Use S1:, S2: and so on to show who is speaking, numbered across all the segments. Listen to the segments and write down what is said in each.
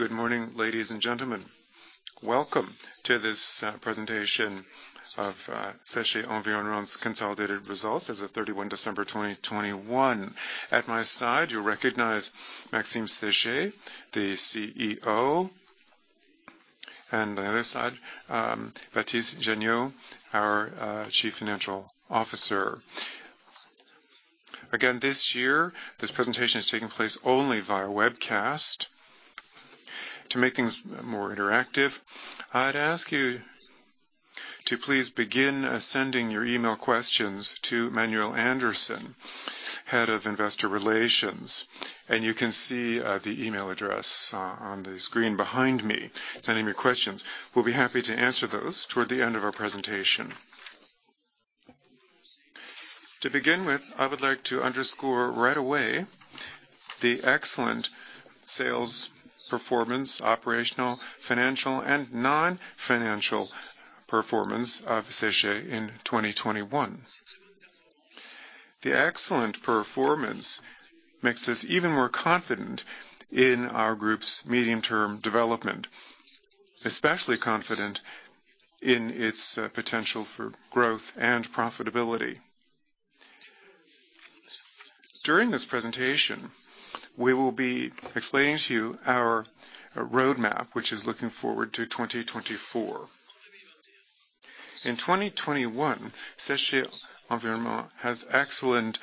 S1: Good morning, ladies and gentlemen. Welcome to this presentation of Séché Environnement consolidated results as of 31 December 2021. At my side, you recognize Maxime Séché, the CEO, and on the other side, Baptiste Janiaud, our Chief Financial Officer. Again, this year, this presentation is taking place only via webcast. To make things more interactive, I'd ask you to please begin sending your email questions to Manuel Andersen, Head of Investor Relations. You can see the email address on the screen behind me sending me questions. We'll be happy to answer those toward the end of our presentation. To begin with, I would like to underscore right away the excellent sales performance, operational, financial, and non-financial performance of Séché in 2021. The excellent performance makes us even more confident in our Group's medium-term development, especially confident in its potential for growth and profitability. During this presentation, we will be explaining to you our Roadmap, which is looking forward to 2024. In 2021, Séché Environnement has excellent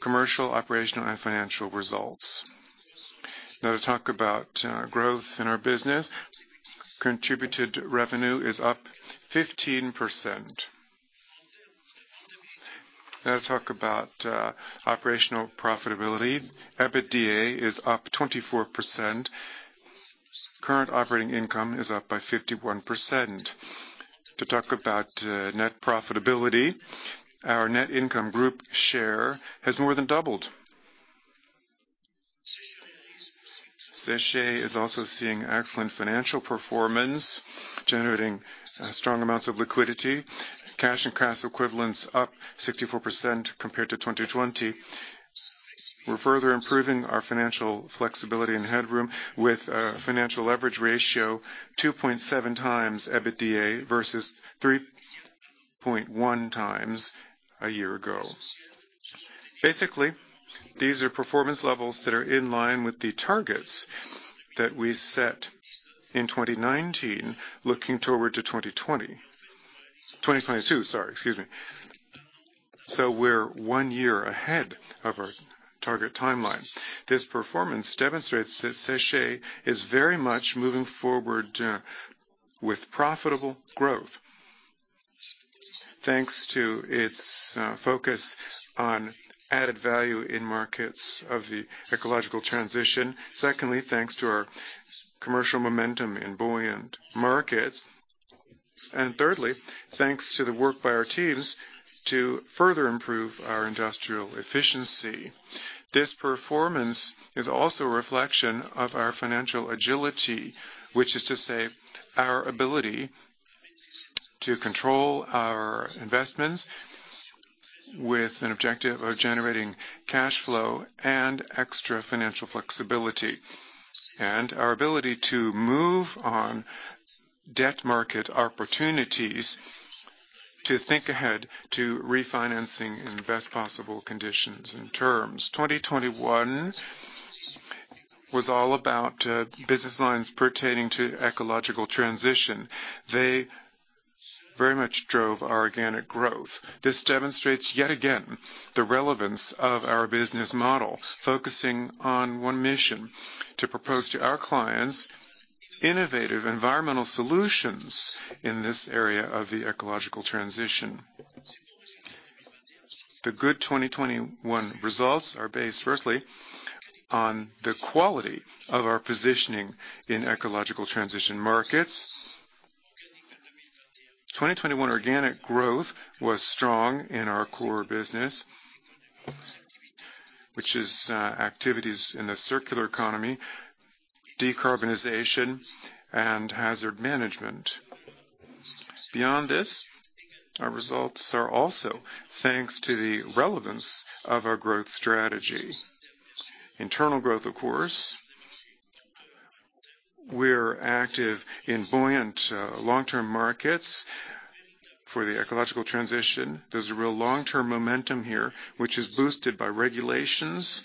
S1: commercial, operational, and financial results. Now to talk about growth in our business. Contributed Revenue is up 15%. Now to talk about operational profitability. EBITDA is up 24%. Current operating Income is up by 51%. To talk about net profitability, our net income Group share has more than doubled. Séché is also seeing excellent financial performance, generating strong amounts of liquidity. Cash and Cash Equivalents up 64% compared to 2020. We're further improving our financial flexibility and headroom with a Financial Leverage Ratio 2.7 times EBITDA versus 3.1 times a year ago. Basically, these are performance levels that are in line with the targets that we set in 2019 looking toward 2022, sorry, excuse me. We're 1 year ahead of our target timeline. This performance demonstrates that Séché is very much moving forward with profitable growth, thanks to its focus on added value in markets of the Ecological Transition. Secondly, thanks to our commercial momentum in buoyant markets. Thirdly, thanks to the work by our teams to further improve our industrial efficiency. This performance is also a reflection of our financial agility, which is to say our ability to control our investments with an objective of generating Cash Flow and extra financial flexibility. Our ability to move on debt market opportunities to think ahead to refinancing in the best possible conditions and terms. 2021 was all about business lines pertaining to Ecological Transition. They very much drove our organic growth. This demonstrates yet again the relevance of our business model, focusing on one mission, to propose to our clients innovative environmental solutions in this area of the ecological transition. The good 2021 results are based firstly on the quality of our positioning in ecological transition markets. 2021 organic growth was strong in our core business, which is activities in the Circular Economy, Decarbonization, and Hazard Management. Beyond this, our results are also thanks to the relevance of our growth strategy. Internal growth, of course. We're active in buoyant long-term markets for the ecological transition. There's a real long-term momentum here, which is boosted by regulations,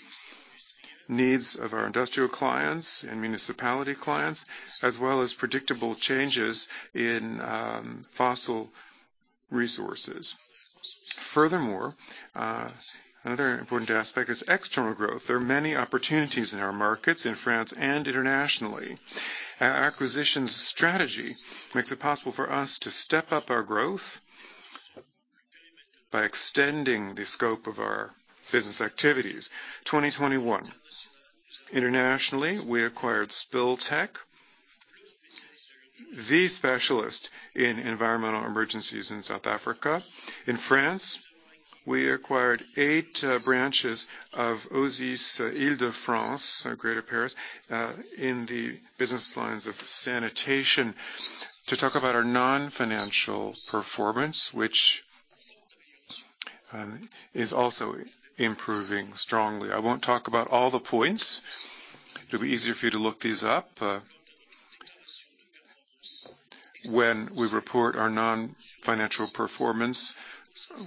S1: needs of our industrial clients and municipality clients, as well as predictable changes in fossil resources. Furthermore, another important aspect is external growth. There are many opportunities in our markets in France and internationally. Our acquisitions strategy makes it possible for us to step up our growth by extending the scope of our business activities. In 2021, internationally, we acquired Spill Tech, the specialist in environmental emergencies in South Africa. In France, we acquired 8 branches of OSIS Île-de-France, Greater Paris, in the business lines of sanitation. To talk about our Non-Financial Performance, which is also improving strongly. I won't talk about all the points. It'll be easier for you to look these up when we report our non-financial performance.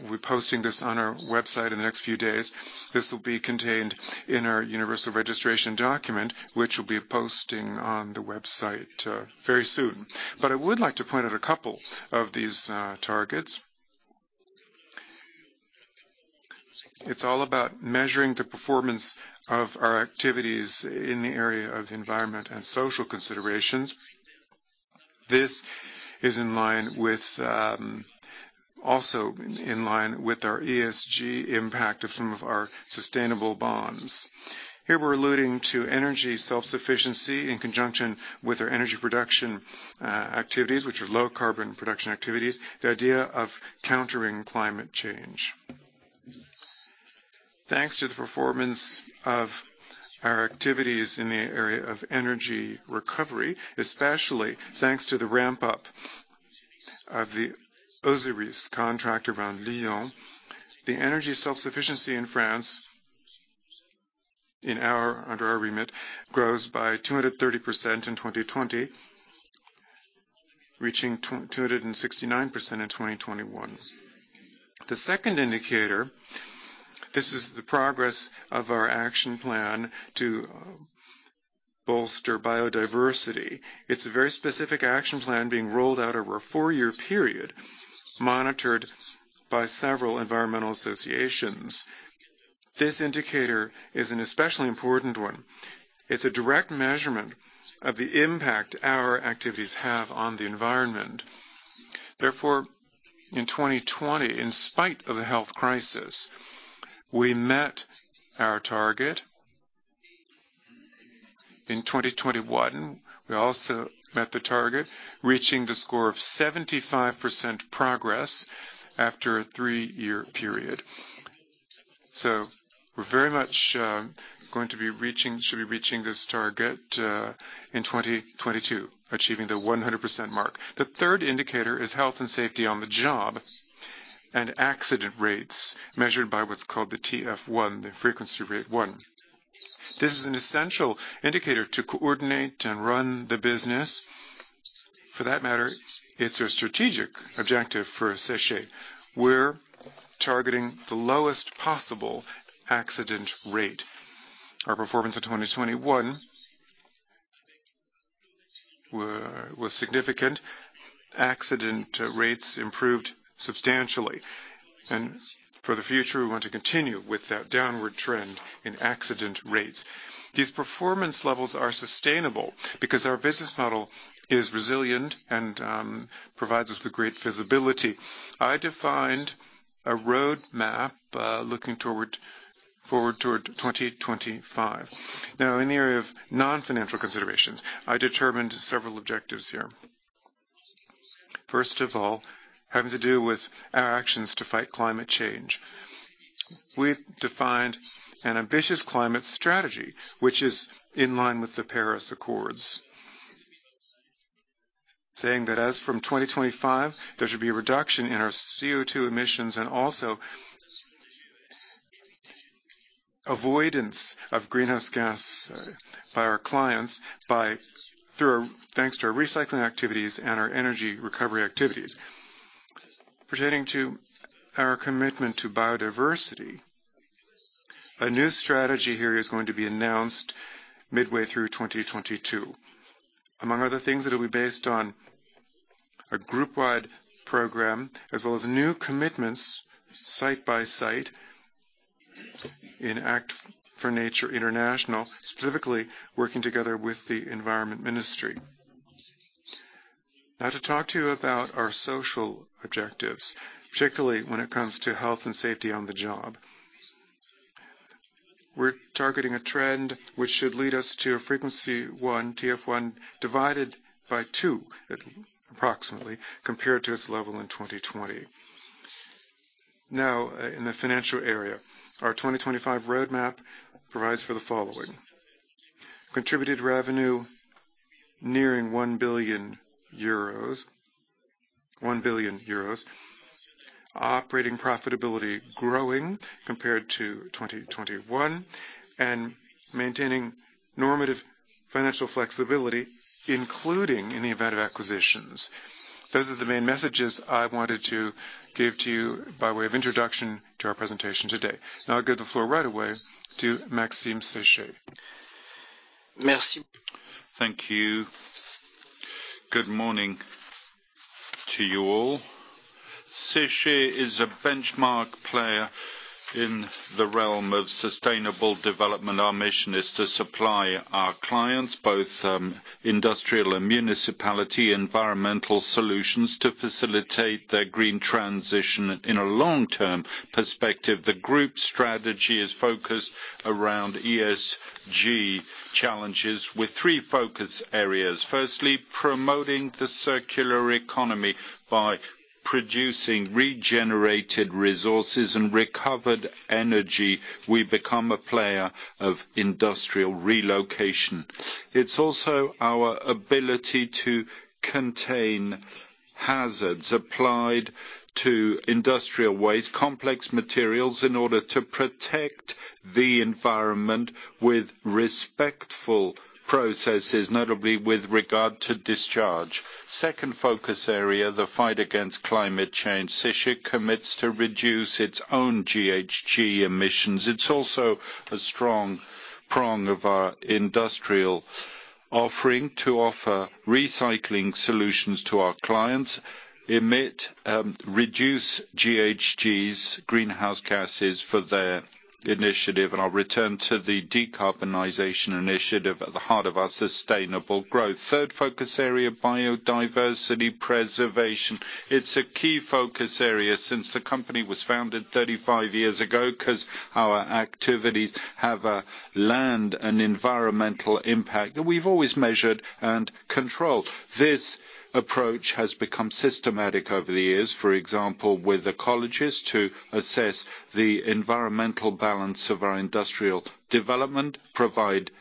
S1: We're posting this on our website in the next few days. This will be contained in our Universal Registration Document, which we'll be posting on the website very soon. I would like to point out a couple of these targets. It's all about measuring the performance of our activities in the area of environment and social considerations. This is in line with also in line with our ESG impact of some of our sustainable bonds. Here we're alluding to Energy Self-Sufficiency in conjunction with our energy production activities, which are low carbon production activities, the idea of countering climate change. Thanks to the performance of our activities in the area of energy recovery, especially thanks to the ramp-up of the Osiris contract around Lyon. The Energy Self-Sufficiency in France under our remit grows by 230% in 2020, reaching 269% in 2021. The second indicator, this is the progress of our action plan to bolster Biodiversity. It's a very specific action plan being rolled out over a 4-year period, monitored by several environmental associations. This indicator is an especially important one. It's a direct measurement of the impact our activities have on the environment. Therefore, in 2020, in spite of the health crisis, we met our target. In 2021, we also met the target, reaching the score of 75% progress after a 3 year period. We're very much shall be reaching this target in 2022, achieving the 100% mark. The third indicator is Health and Safety on the job, and accident rates measured by what's called the TF1, the frequency rate one. This is an essential indicator to coordinate and run the business. For that matter, it's a strategic objective for Séché. We're targeting the lowest possible accident rate. Our performance in 2021 was significant. Accident rates improved substantially. For the future, we want to continue with that downward trend in accident rates. These performance levels are sustainable because our business model is resilient and provides us with great visibility. I defined a Roadmap looking forward toward 2025. Now in the area of non-financial considerations, I determined several objectives here. First of all, having to do with our actions to fight climate change. We've defined an ambitious climate strategy, which is in line with the Paris Accords. Saying that as from 2025, there should be a reduction in our CO2 emissions, and also avoidance of greenhouse gas by our clients thanks to our recycling activities and our energy recovery activities. Pertaining to our commitment to biodiversity, a new strategy here is going to be announced midway through 2022. Among other things, it'll be based on a Group-wide program, as well as new commitments site-by-site in Act4nature International, specifically working together with the Environment Ministry. Now to talk to you about our social objectives, particularly when it comes to health and safety on the job. We're targeting a trend which should lead us to a FR1 divided by two, approximately, compared to its level in 2020. Now in the financial area, our 2025 Roadmap provides for the following, Contributed Revenue nearing 1 billion euros, 1 billion euros. Operating Profitability growing compared to 2021, and maintaining normative Financial Flexibility, including in the event of acquisitions. Those are the main messages I wanted to give to you by way of introduction to our presentation today. Now I give the floor right away to Maxime Séché.
S2: Merci. Thank you. Good morning to you all. Séché is a benchmark player in the realm of sustainable development. Our mission is to supply our clients, both industrial and municipal environmental solutions, to facilitate their green transition in a long-term perspective. The Group strategy is focused around ESG challenges with three focus areas. Firstly, promoting the Circular Economy by producing regenerated resources and recovered energy, we become a player of industrial relocation. It's also our ability to contain hazards applied to industrial Waste, complex materials in order to protect the environment with respectful processes, notably with regard to discharge. Second focus area, the Fight Against Climate Change. Séché commits to reduce its own GHG emissions. It's also a strong prong of our industrial offering to offer recycling solutions to our clients. Aim to reduce GHGs, greenhouse gases for their initiative, and I'll return to the Decarbonization initiative at the heart of our sustainable growth. Third focus area, Biodiversity Preservation. It's a key focus area since the company was founded 35 years ago, 'cause our activities have a land and environmental impact that we've always measured and controlled. This approach has become systematic over the years, for example, with ecologists to assess the environmental balance of our industrial development, provide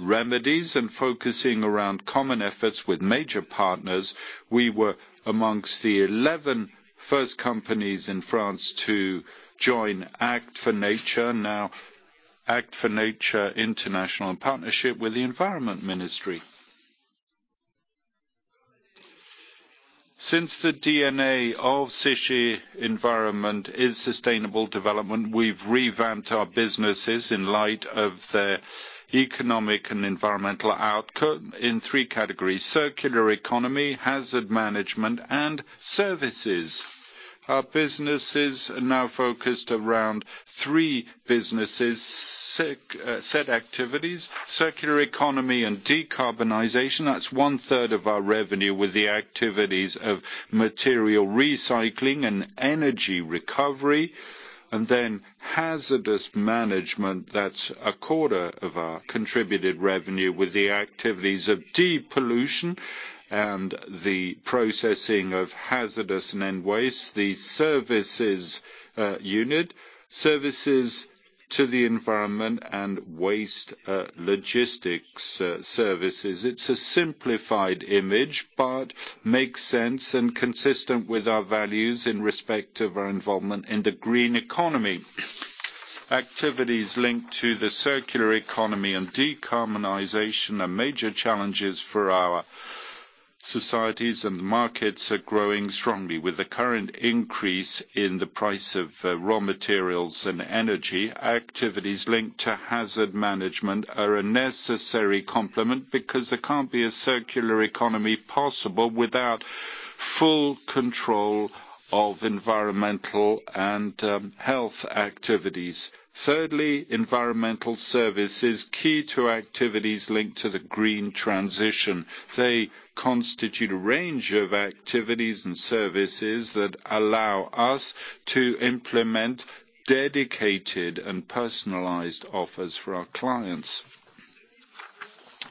S2: remedies and focusing around common efforts with major partners. We were among the 11 first companies in France to join Act4nature, now Act for Nature International in partnership with the Environment Ministry. Since the DNA of Séché Environnement is sustainable development, we've revamped our businesses in light of the economic and environmental outcome in three categories, Circular Economy, Hazard Management, and Services. Our businesses are now focused around three such activities. Circular Economy and Decarbonization, that's one-third of our Revenue with the activities of material recycling and energy recovery. Then Hazardous management, that's a quarter of our Contributed Revenue with the activities of depollution and the processing of Hazardous and end Waste. The services unit, services to the environment and Waste logistics services. It's a simplified image, but makes sense and consistent with our values in respect of our involvement in the green economy. Activities linked to the circular economy and Decarbonization are major challenges for our societies, and the markets are growing strongly. With the current increase in the price of raw materials and energy, activities linked to Hazardous management are a necessary complement because there can't be a circular economy possible without full control of environmental and health activities. Thirdly, Environmental services, key to activities linked to the green transition. They constitute a range of activities and services that allow us to implement dedicated and personalized offers for our clients.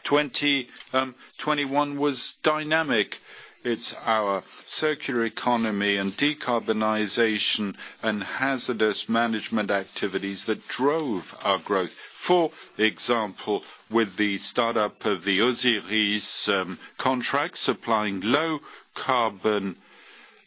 S2: 2021 was dynamic. It's our Circular Economy and Decarbonization and Hazardous Management activities that drove our growth. For example, with the startup of the Osiris contract, supplying low carbon energy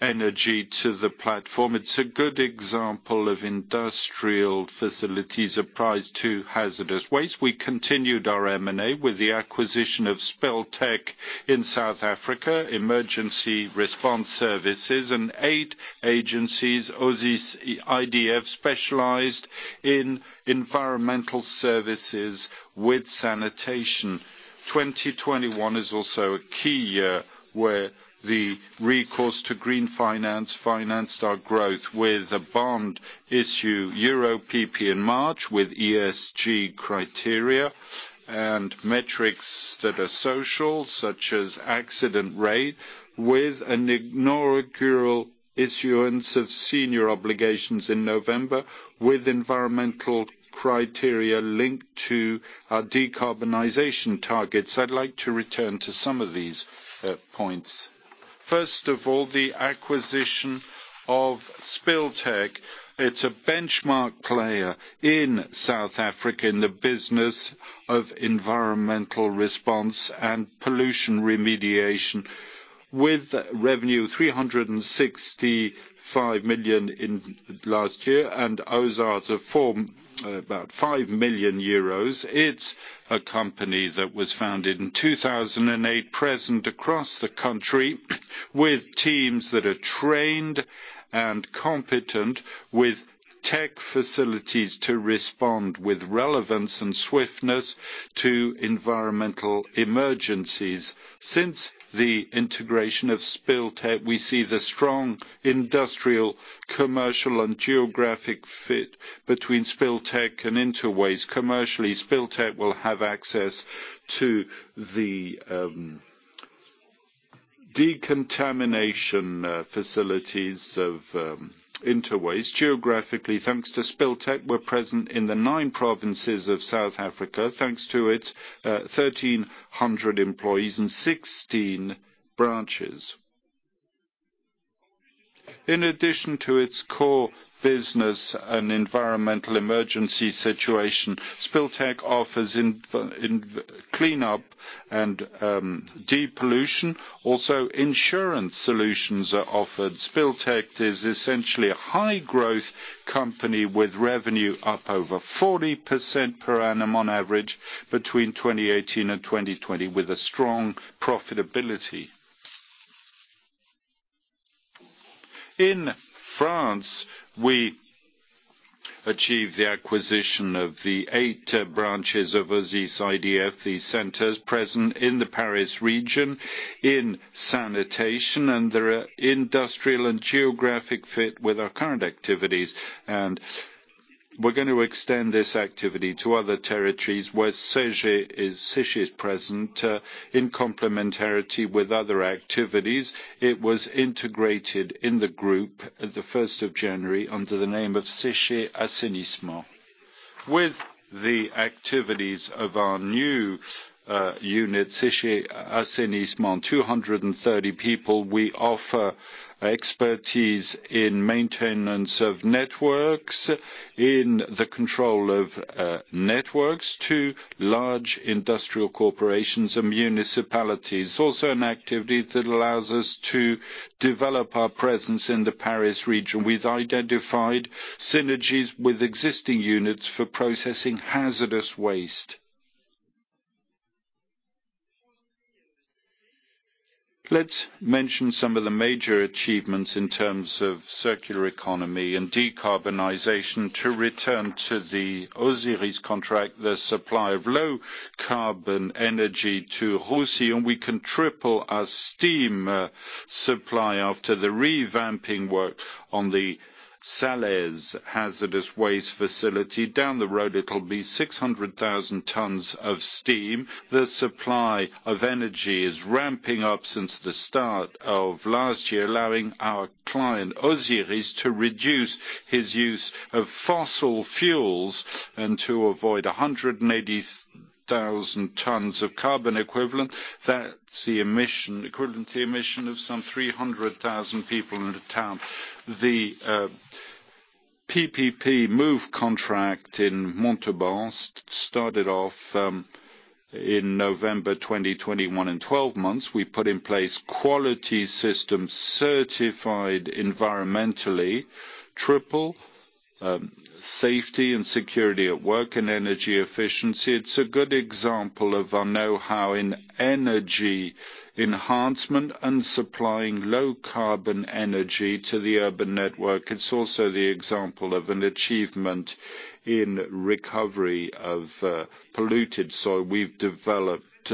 S2: to the platform. It's a good example of industrial facilities applied to Hazardous Waste. We continued our M&A with the acquisition of Spill Tech in South Africa, emergency response services and 8 agencies, OSIS IDF, specialized in environmental services with sanitation. 2021 is also a key year where the recourse to Green Finance financed our growth with a bond issue Euro PP in March with ESG criteria and metrics that are social, such as accident rate, with an inaugural issuance of Senior Obligations in November with environmental criteria linked to our decarbonization targets. I'd like to return to some of these points. First of all, the acquisition of Spill Tech. It's a benchmark player in South Africa in the business of environmental response and pollution remediation. With Revenue 365 million in last year and at current forex about 5 million euros, it's a company that was founded in 2008, present across the country with teams that are trained and competent with tech facilities to respond with relevance and swiftness to environmental emergencies. Since the integration of Spill Tech, we see the strong industrial commercial and geographic fit between Spill Tech and InterWaste. Commercially, Spill Tech will have access to the decontamination facilities of InterWaste. Geographically, thanks to Spill Tech, we're present in the nine provinces of South Africa, thanks to its 1,300 employees and 16 branches. In addition to its core business and environmental emergency situation, Spill Tech offers in clean up and depollution. Also insurance solutions are offered. Spill Tech is essentially a high growth company with Revenue up over 40% per annum on average between 2018 and 2020, with a strong profitability. In France, we achieved the acquisition of the eight branches of OSIS IDF. These centers present in the Paris region in sanitation, and they're a industrial and geographic fit with our current activities. We're gonna extend this activity to other territories where Séché is present in complementarity with other activities. It was integrated in the Group at January 1 under the name of Séché Assainissement. With the activities of our new unit, Séché Assainissement, 230 people, we offer expertise in maintenance of networks, in the control of networks to large industrial corporations and municipalities. Also an activity that allows us to develop our presence in the Paris region. We've identified synergies with existing units for processing Hazardous Waste. Let's mention some of the major achievements in terms of Circular Economy and decarbonization. To return to the Osiris contract, the supply of low carbon energy to Roussillon, and we can triple our steam supply after the revamping work on the Salaise Hazardous Waste facility. Down the road, it'll be 600,000 tons of steam. The supply of energy is ramping up since the start of last year, allowing our client, Osiris, to reduce his use of fossil fuels and to avoid 180,000 tons of carbon equivalent. That's the emission equivalent to emission of some 300,000 people in the town. The Mo'UVE contract in Montauban started off in November 2021. In 12 months, we put in place quality systems certified environmentally. Triple safety and security at work and energy efficiency. It's a good example of our know-how in energy enhancement and supplying low carbon energy to the urban network. It's also the example of an achievement in recovery of polluted soil. We've developed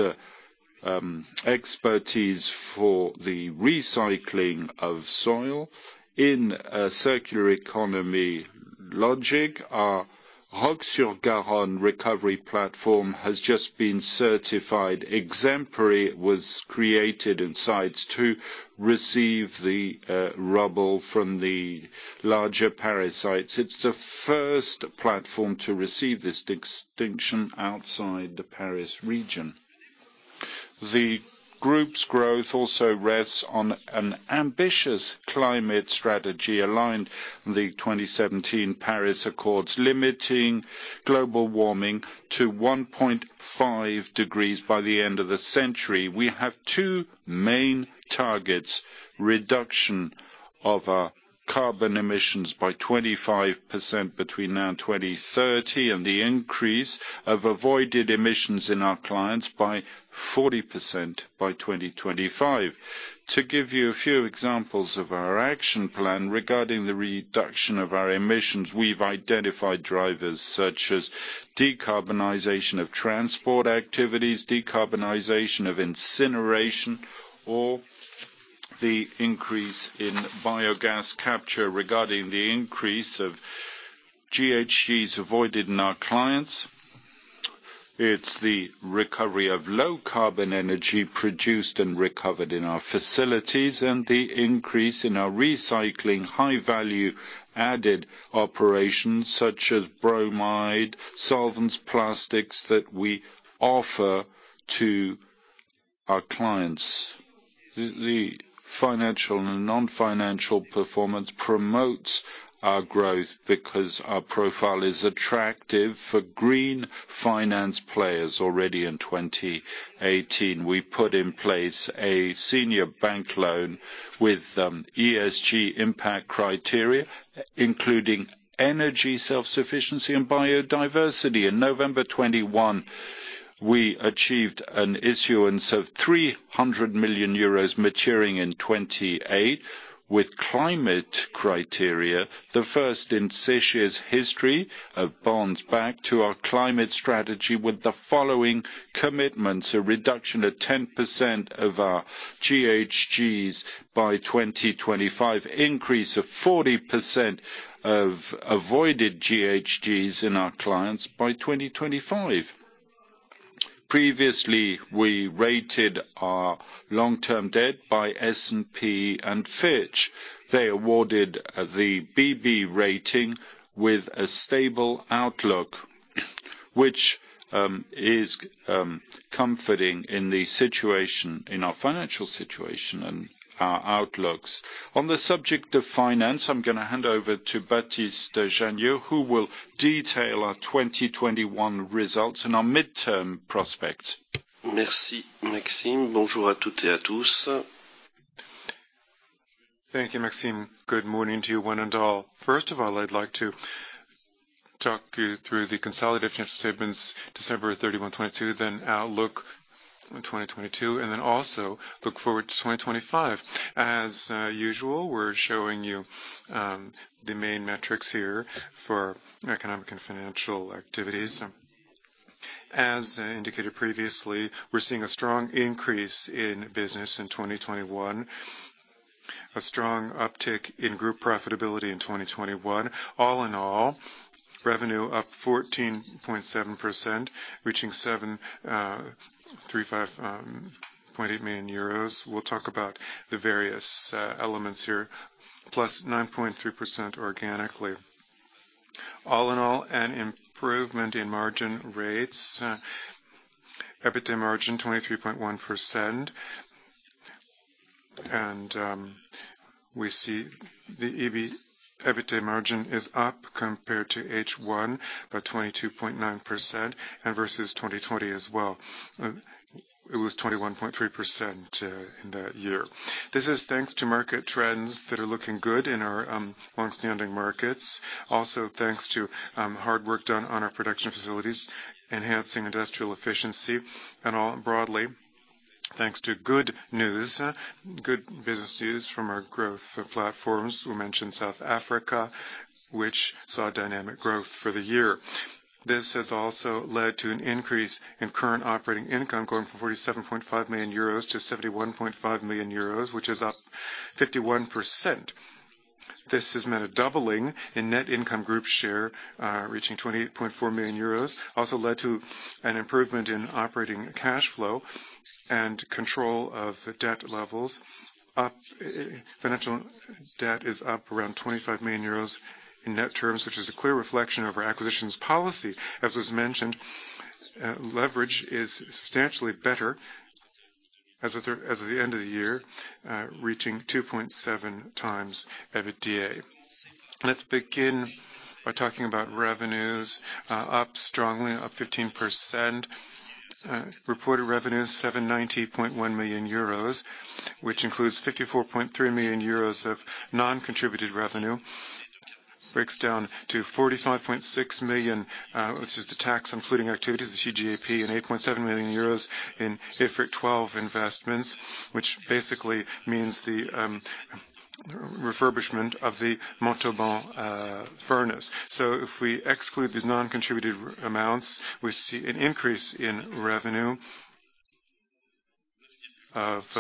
S2: expertise for the recycling of soil. In a Circular Economy logic, our La Roque-sur-Garonne recovery platform has just been certified exemplary. It was created in sites to receive the rubble from the larger Paris sites. It's the first platform to receive this distinction outside the Paris region. The Group's growth also rests on an ambitious climate strategy aligned in the 2017 Paris Accords, limiting global warming to 1.5 degrees by the end of the century. We have two main targets, Reduction of our carbon emissions by 25% between now and 2030, and the Increase of avoided emissions in our clients by 40% by 2025. To give you a few examples of our action plan regarding the reduction of our emissions, we've identified drivers such as decarbonization of transport activities, decarbonization of incineration, or the increase in biogas capture regarding the increase of GHGs avoided in our clients. It's the recovery of low carbon energy produced and recovered in our facilities and the increase in our recycling high value added operations such as bromide, solvents, plastics that we offer to our clients. The financial and non-financial performance promotes our growth because our profile is attractive for green finance players. Already in 2018, we put in place a senior bank loan with ESG impact criteria, including Energy Self-Sufficiency and biodiversity. In November 2021, we achieved an issuance of 300 million euros maturing in 2028 with climate criteria. The first in Séché's history of bonds backed to our climate strategy with the following commitments, a reduction of 10% of our GHGs by 2025, increase of 40% of avoided GHGs in our clients by 2025. Previously, we rated our long-term debt by S&P and Fitch. They awarded the BB rating with a stable outlook, which is comforting in the situation, in our financial situation and our outlooks. On the subject of finance, I'm gonna hand over to Baptiste Janiaud, who will detail our 2021 results and our midterm prospect.
S3: Merci, Maxime. Thank you, Maxime. Good morning to you one and all. First of all, I'd like to talk you through the consolidated financial statements, December 31, 2022, then outlook in 2022, and then also look forward to 2025. As usual, we're showing you the main metrics here for economic and financial activities. As indicated previously, we're seeing a strong increase in business in 2021, a strong uptick in Group profitability in 2021. All in all, Revenue up 14.7%, reaching 735.8 million euros. We'll talk about the various elements here, +9.3% organically. All in all, an improvement in margin rates. EBITDA margin 23.1%. We see the EBITDA margin is up compared to H1 by 22.9% and versus 2020 as well. It was 21.3% in that year. This is thanks to market trends that are looking good in our longstanding markets. Also, thanks to hard work done on our production facilities, enhancing industrial efficiency, and all broadly, thanks to good news, good business news from our growth platforms. We mentioned South Africa, which saw dynamic growth for the year. This has also led to an increase in Current Operating Income going from 47.5 million euros to 71.5 million euros, which is up 51%. This has meant a doubling in Net Income Group share, reaching 28.4 million euros. Also led to an improvement in operating cash flow and control of the debt levels. Financial debt is up around 25 million euros in net terms, which is a clear reflection of our acquisitions policy. As was mentioned, leverage is substantially better as of the end of the year, reaching 2.7x EBITDA. Let's begin by talking about Revenues, up strongly, 15%. Reported Revenue is 790.1 million euros, which includes 54.3 million euros of non-Contributed Revenue. Breaks down to 45.6 million, which is the TGAP including activities, and 8.7 million euros in IFRIC 12 investments, which basically means the refurbishment of the Montauban furnace. If we exclude these non-Contributed amounts, we see an increase in Revenue of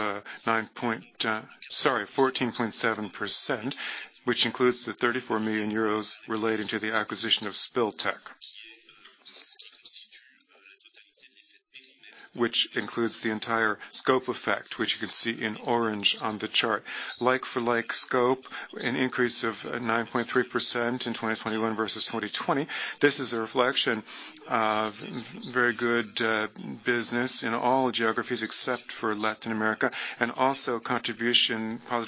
S3: 14.7%, which includes the 34 million euros relating to the acquisition of Spill Tech. Which includes the entire scope effect, which you can see in orange on the chart. Like for like scope, an increase of 9.3% in 2021 versus 2020. This is a reflection of very good business in all geographies except for Latin America, and also positive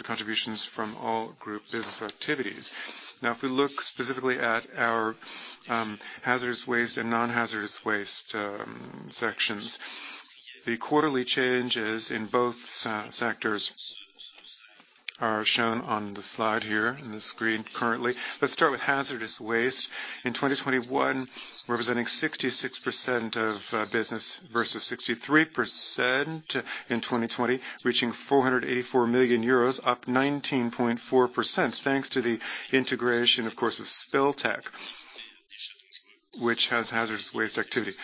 S3: contributions from all Group business activities. Now, if we look specifically at our Hazardous Waste and Non-Hazardous Waste sections, the quarterly changes in both sectors are shown on the slide here on the screen currently. Let's start with Hazardous Waste. In 2021, representing 66% of business versus 63% in 2020, reaching 484 million euros, up 19.4% thanks to the integration, of course, of Spill Tech, which has Hazardous Waste activity.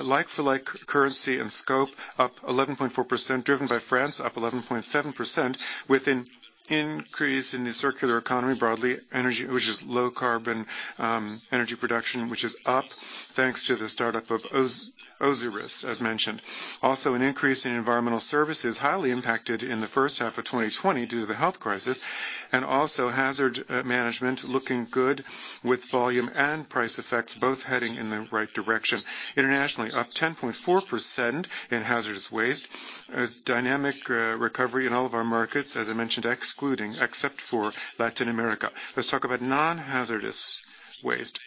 S3: Like-for-like currency and scope, up 11.4%, driven by France, up 11.7%, with an increase in the circular economy, broadly energy, which is low carbon, energy production, which is up thanks to the startup of Osiris, as mentioned. Also an increase in environmental services, highly impacted in the first half of 2020 due to the health crisis, and also hazard management looking good with volume and price effects both heading in the right direction. Internationally, up 10.4% in Hazardous Waste. A dynamic recovery in all of our markets, as I mentioned, excluding, except for Latin America. Let's talk about Non-Hazardous Waste.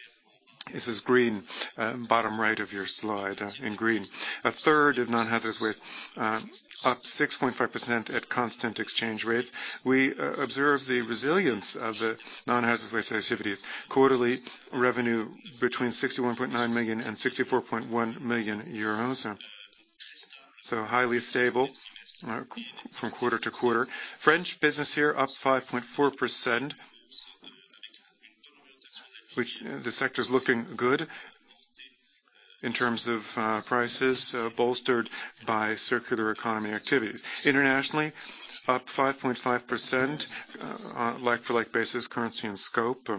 S3: This is green, bottom right of your slide, in green. A third of Non-Hazardous Waste, up 6.5% at constant exchange rates. We observe the resilience of the Non-Hazardous Waste activities. Quarterly Revenue between 61.9 million and 64.1 million euros. Highly stable from quarter to quarter. French business here up 5.4%, which the sector's looking good in terms of prices, bolstered by circular economy activities. Internationally, up 5.5% on like for like basis currency and scope,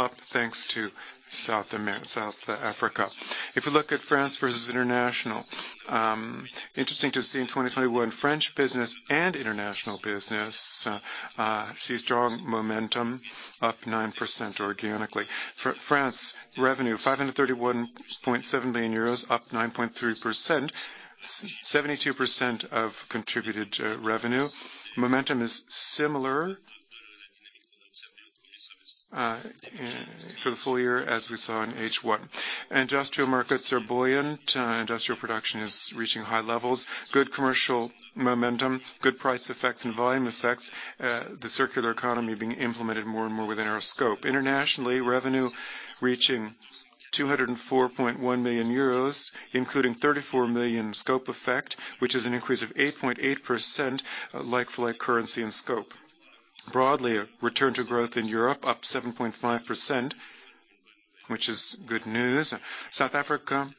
S3: up thanks to South Africa. If you look at France versus international, interesting to see in 2021 French business and international business sees strong momentum up 9% organically. France Revenue 531.7 million euros up 9.3%. 72% of Contributed Revenue. Momentum is similar for the full year as we saw in H1. Industrial markets are buoyant. Industrial production is reaching high levels, good commercial momentum, good price effects and volume effects. The circular economy being implemented more and more within our scope. Internationally, Revenue reaching 204.1 million euros, including 34 million scope effect, which is an increase of 8.8% like for like currency and scope. Broadly, a return to growth in Europe up 7.5%, which is good news. South Africa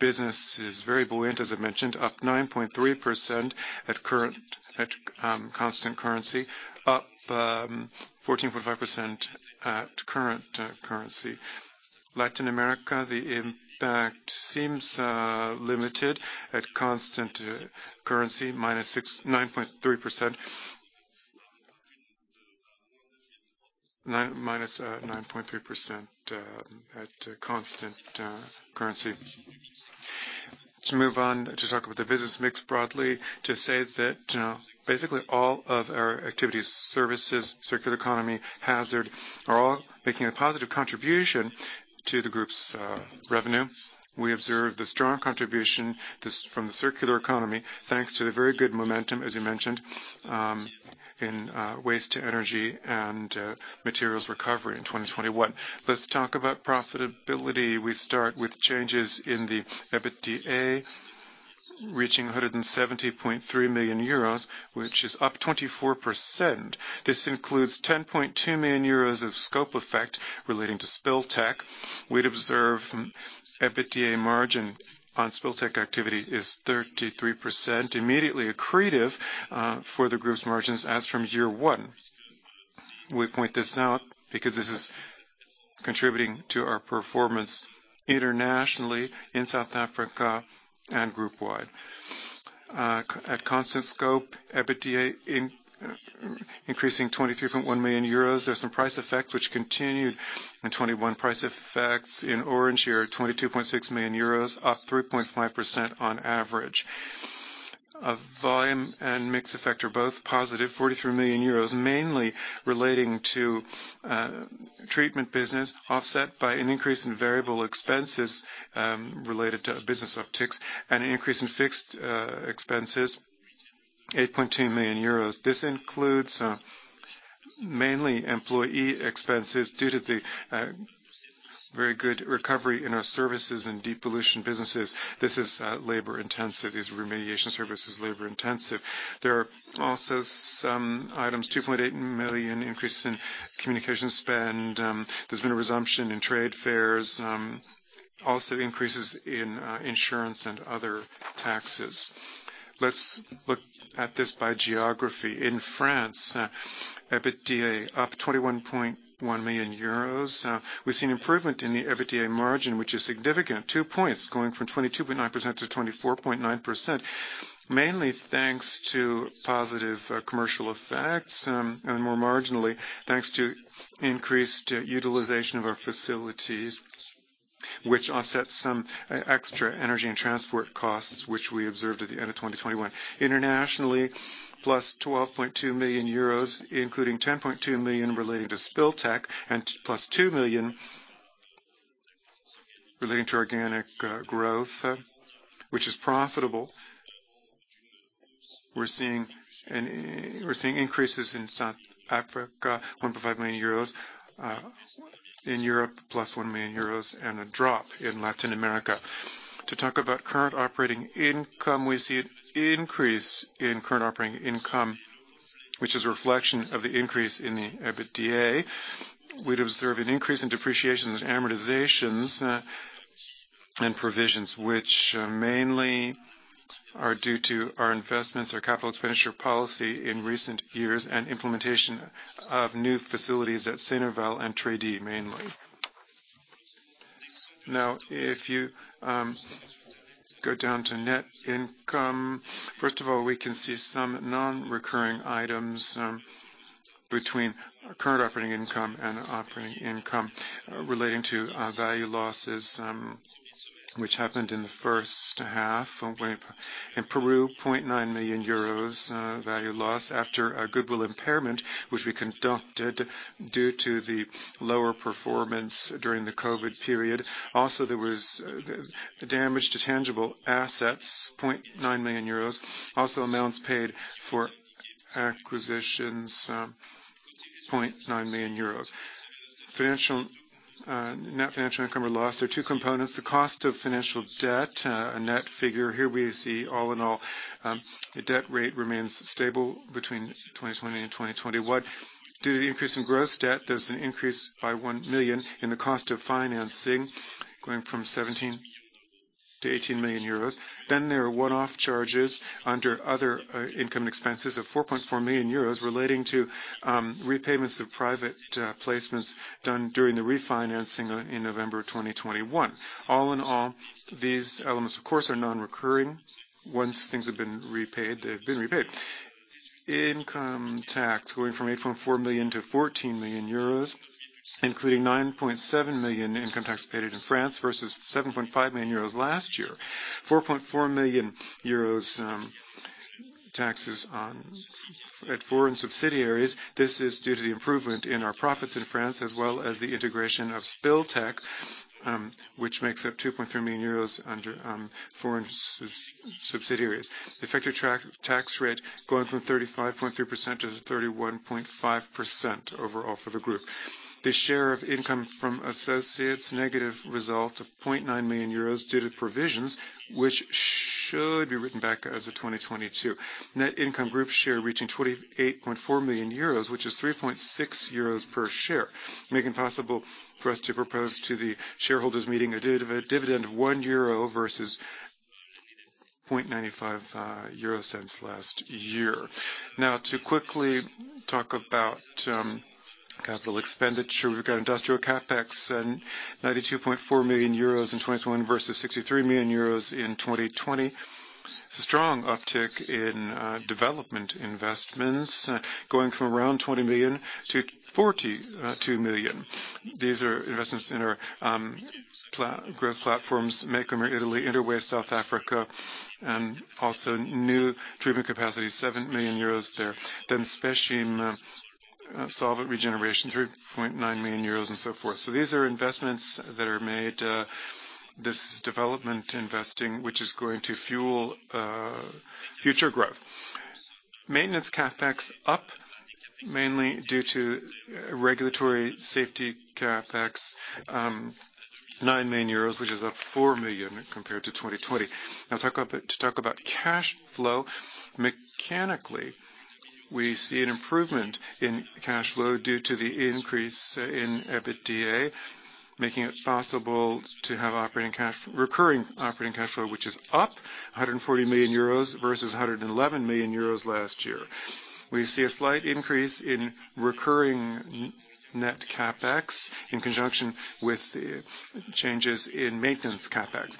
S3: business is very buoyant, as I mentioned, up 9.3% at constant currency. Up 14.5% at current currency. Latin America, the impact seems limited at constant currency -9.3%. To move on to talk about the business mix broadly, to say that basically all of our activities, services, circular economy, hazard, are all making a positive contribution to the Group's Revenue. We observe the strong contribution from the circular economy thanks to the very good momentum, as you mentioned, in waste-to-energy and materials recovery in 2021. Let's talk about profitability. We start with changes in the EBITDA reaching 170.3 million euros, which is up 24%. This includes 10.2 million euros of scope effect relating to Spill Tech. We'd observe an EBITDA margin on Spill Tech activity is 33%, immediately accretive for the Group's margins as from year one. We point this out because this is contributing to our performance internationally in South Africa and Group wide. At constant scope, EBITDA increasing 23.1 million euros. There's some price effects which continued in 2021. Price effects in orange here, 22.6 million euros, up 3.5% on average. Volume and mix effect are both positive, 43 million euros, mainly relating to treatment business offset by an increase in variable expenses, related to business upticks and an increase in fixed expenses, 8.2 million euros. This includes mainly employee expenses due to the very good recovery in our services and depollution businesses. This is labor intensive. These remediation services are labor intensive. There are also some items, two point eight million increase in communication spend. There's been a resumption in trade fairs. Also increases in insurance and other taxes. Let's look at this by geography. In France, EBITDA up 21.1 million euros. We've seen improvement in the EBITDA margin, which is significant. 2 points going from 22.9% to 24.9%, mainly thanks to positive commercial effects and more marginally thanks to increased utilization of our facilities, which offsets some extra energy and transport costs, which we observed at the end of 2021. Internationally, plus 12.2 million euros, including 10.2 million related to Spill Tech and plus 2 million relating to organic growth, which is profitable. We're seeing increases in South Africa, 1.5 million euros. In Europe, plus 1 million euros and a drop in Latin America. To talk about current operating Income, we see an increase in current operating Income, which is a reflection of the increase in the EBITDA. We'd observe an increase in depreciation and amortizations, and provisions, which mainly are due to our investments or Capital Expenditure policy in recent years and implementation of new facilities at Saint-Vulbas and Trédi mainly. Now, if you go down to net ncome, first of all, we can see some non-recurring items between current operating Income and operating Income relating to value losses which happened in the first half. In Peru, 0.9 million euros value loss after a goodwill impairment, which we conducted due to the lower performance during the COVID period. Also, there was the damage to tangible assets, 0.9 million euros. Also amounts paid for acquisitions, 0.9 million euros. Financial net financial Income or loss are two components. The cost of financial debt, a net figure. Here we see all in all, the debt rate remains stable between 2020 and 2021. Due to the increase in gross debt, there's an increase by 1 million in the cost of financing going from 17 million to 18 million euros. There are one-off charges under other Income expenses of 4.4 million euros relating to repayments of private placements done during the refinancing in November 2021. All in all, these elements, of course, are non-recurring. Once things have been repaid, they've been repaid. Income tax going from 8.4 million to 14 million euros, including 9.7 million Income tax paid in France versus 7.5 million euros last year. 4.4 million euros taxes at foreign subsidiaries. This is due to the improvement in our profits in France, as well as the integration of Spill Tech, which makes up 2.3 million euros under foreign subsidiaries. Effective tax rate going from 35.3% to 31.5% overall for the Group. The share of Income from associates, negative result of 0.9 million euros due to provisions which should be written back as of 2022. Net Income Group share reaching 28.4 million euros, which is 3.6 euros per share, making it possible for us to propose to the Shareholders Meeting a dividend of 1 euro versus 0.95 last year. Now to quickly talk about capital expenditure. We've got industrial CapEx and 92.4 million euros in 2021 versus 63 million euros in 2020. It's a strong uptick in development investments going from around 20 million to 42 million. These are investments in our platform-growth platforms, Mecomer Italy, InterWaste South Africa, and also new treatment capacity, 7 million euros there. Speichim solvent regeneration, 3.9 million euros and so forth. These are investments that are made this development investing, which is going to fuel future growth. Maintenance CapEx up mainly due to regulatory safety CapEx, 9 million euros, which is up 4 million compared to 2020. Now to talk about cash flow. Mechanically, we see an improvement in cash flow due to the increase in EBITDA, making it possible to have recurring operating cash flow, which is up 140 million euros versus 111 million euros last year. We see a slight increase in recurring net CapEx in conjunction with the changes in maintenance CapEx.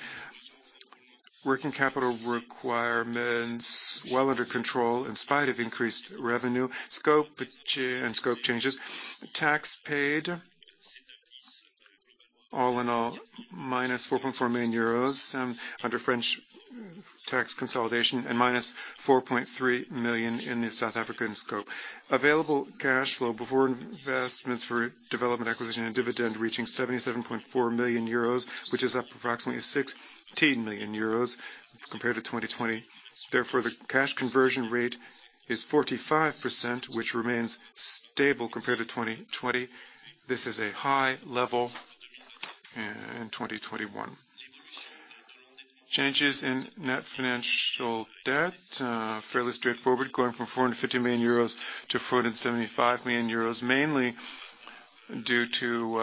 S3: Working capital requirements well under control in spite of increased Revenue scope changes. Tax paid all in all, minus 4.4 million euros under French tax consolidation and minus 4.3 million in the South African scope. Available cash flow before investments for development, acquisition, and dividend reaching 77.4 million euros, which is up approximately 16 million euros compared to 2020. Therefore, the cash conversion rate is 45%, which remains stable compared to 2020. This is a high level in 2021. Changes in net financial debt fairly straightforward, going from 450 million euros to 475 million euros, mainly due to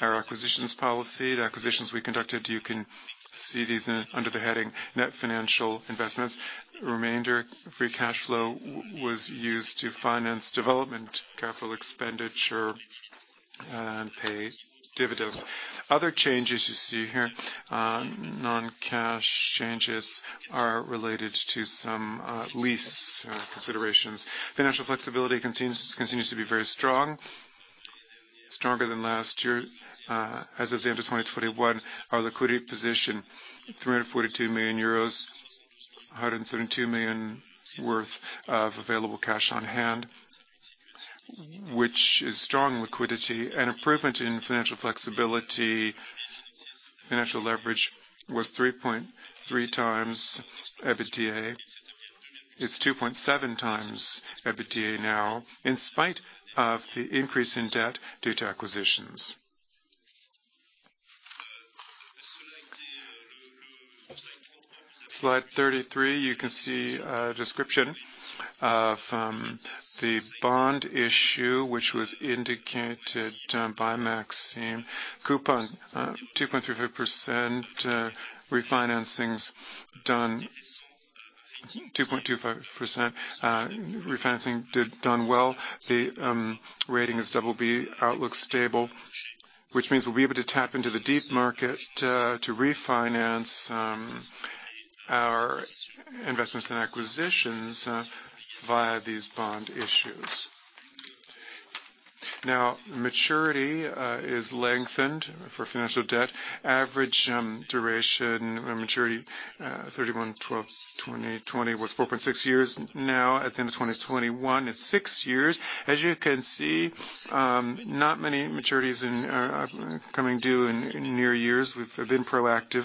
S3: our acquisitions policy, the acquisitions we conducted. You can see these under the heading Net Financial Investments. Remainder Free Cash Flow was used to finance development, capital expenditure, and pay dividends. Other changes you see here, non-cash changes are related to some lease considerations. Financial flexibility continues to be very strong, stronger than last year. As of the end of 2021, our liquidity position, 342 million euros, 172 million worth of available cash on hand, which is strong liquidity. An improvement in financial flexibility, financial leverage was 3.3x EBITDA. It's 2.7x EBITDA now, in spite of the increase in debt due to acquisitions. Slide 33, you can see a description of the bond issue which was indicated by Maxim. Coupon 2.35%. Refinancings done 2.25%. Refinancing done well. The rating is BB, outlook stable, which means we'll be able to tap into the deep market to refinance our investments and acquisitions via these bond issues. Now, maturity is lengthened for financial debt. Average duration maturity 31/12/2020 was 4.6 years. Now, at the end of 2021, it's 6 years. As you can see, not many maturities are coming due in near years. We've been proactive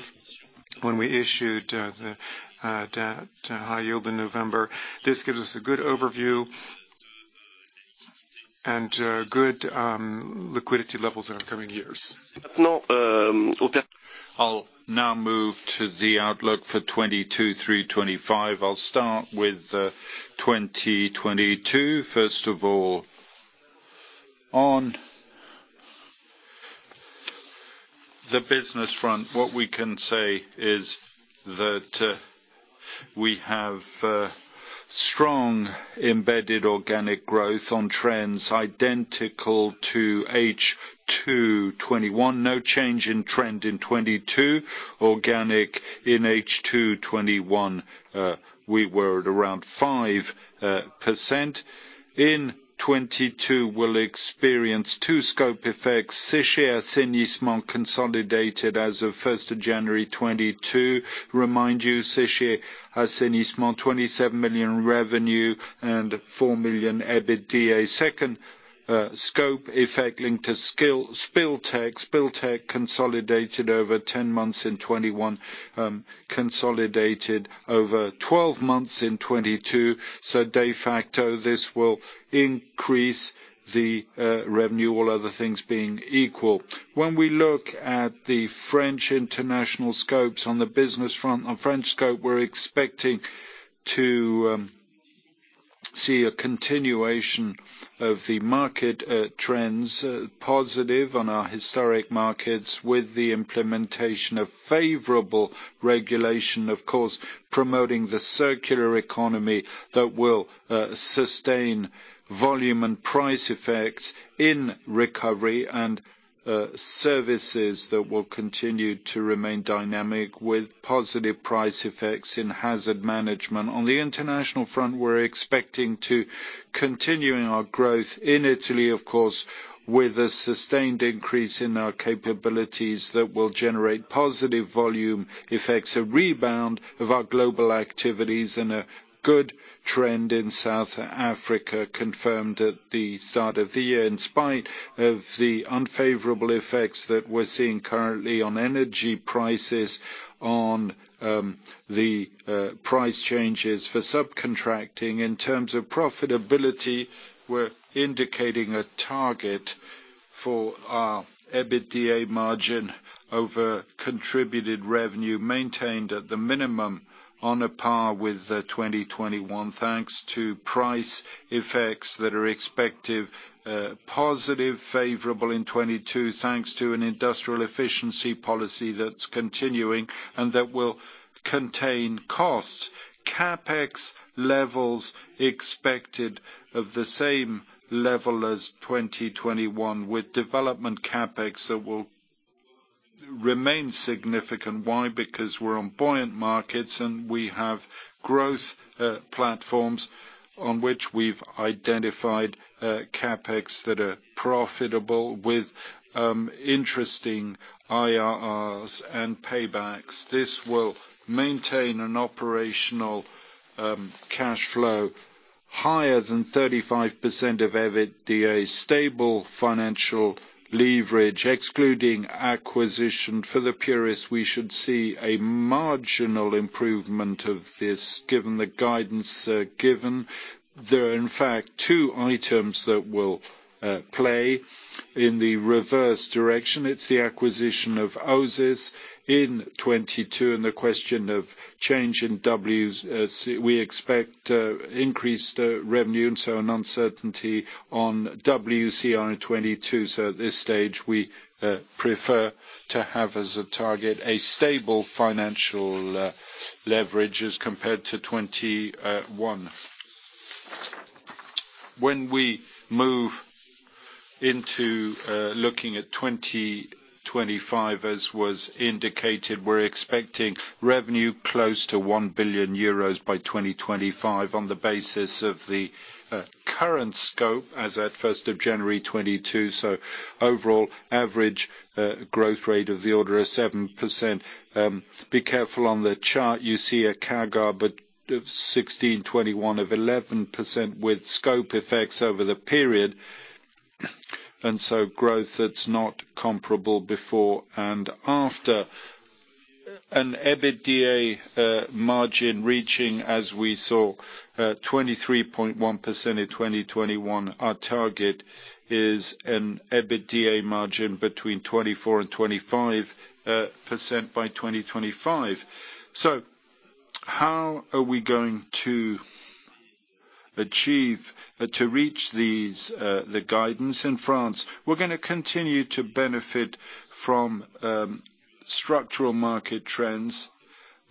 S3: when we issued the high-yield debt in November. This gives us a good overview and good liquidity levels in our coming years. I'll now move to the outlook for 2022 through 2025. I'll start with 2022. First of all. On the business front, what we can say is that we have strong embedded organic growth on trends identical to H2 2021. No change in trend in 2022. Organic in H2 2021, we were at around 5%. In 2022, we'll experience 2 scope effects. Séché Assainissement consolidated as of January 1, 2022. To remind you, Séché Assainissement, 27 million Revenue and 4 million EBITDA. Second scope effect linked to Spill Tech. Spill Tech consolidated over 10 months in 2021, consolidated over 12 months in 2022. So de facto, this will increase the Revenue, all other things being equal. When we look at the French international scopes on the business front, on French scope, we're expecting to see a continuation of the market trends, positive on our historic markets with the implementation of favorable regulation, of course, promoting the circular economy that will sustain volume and price effects in recovery and services that will continue to remain dynamic with positive price effects in hazard management. On the international front, we're expecting to continuing our growth in Italy, of course, with a sustained increase in our capabilities that will generate positive volume effects, a rebound of our global activities, and a good trend in South Africa confirmed at the start of the year in spite of the unfavorable effects that we're seeing currently on energy prices, on the price changes for subcontracting. In terms of profitability, we're indicating a target for our EBITDA margin over Contributed Revenue maintained at the minimum on a par with 2021, thanks to price effects that are expected positive, favorable in 2022, thanks to an industrial efficiency policy that's continuing and that will contain costs. CapEx levels expected of the same level as 2021 with development CapEx that will remain significant. Why? Because we're on buoyant markets, and we have growth platforms on which we've identified CapEx that are profitable with interesting IRRs and paybacks. This will maintain an operational cash flow higher than 35% of EBITDA. Stable financial leverage, excluding acquisition. For the purists, we should see a marginal improvement of this, given the guidance given. There are, in fact, two items that will play in the reverse direction. It's the acquisition of OSIS IDF in 2022 and the question of change in WCR, we expect increased Revenue and so an uncertainty on WCR in 2022. At this stage, we prefer to have as a target a stable financial leverage as compared to 2021. When we move into looking at 2025, as was indicated, we're expecting Revenue close to 1 billion euros by 2025 on the basis of the current scope as at first of January 2022. Overall, average growth rate of the order of 7%. Be careful on the chart. You see a CAGR from 2016 to 2021 of 11% with scope effects over the period, and growth that's not comparable before and after. An EBITDA margin reaching, as we saw, 23.1% in 2021. Our target is an EBITDA margin between 24%-25% by 2025. How are we going to achieve to reach these the guidance in France? We're gonna continue to benefit from structural market trends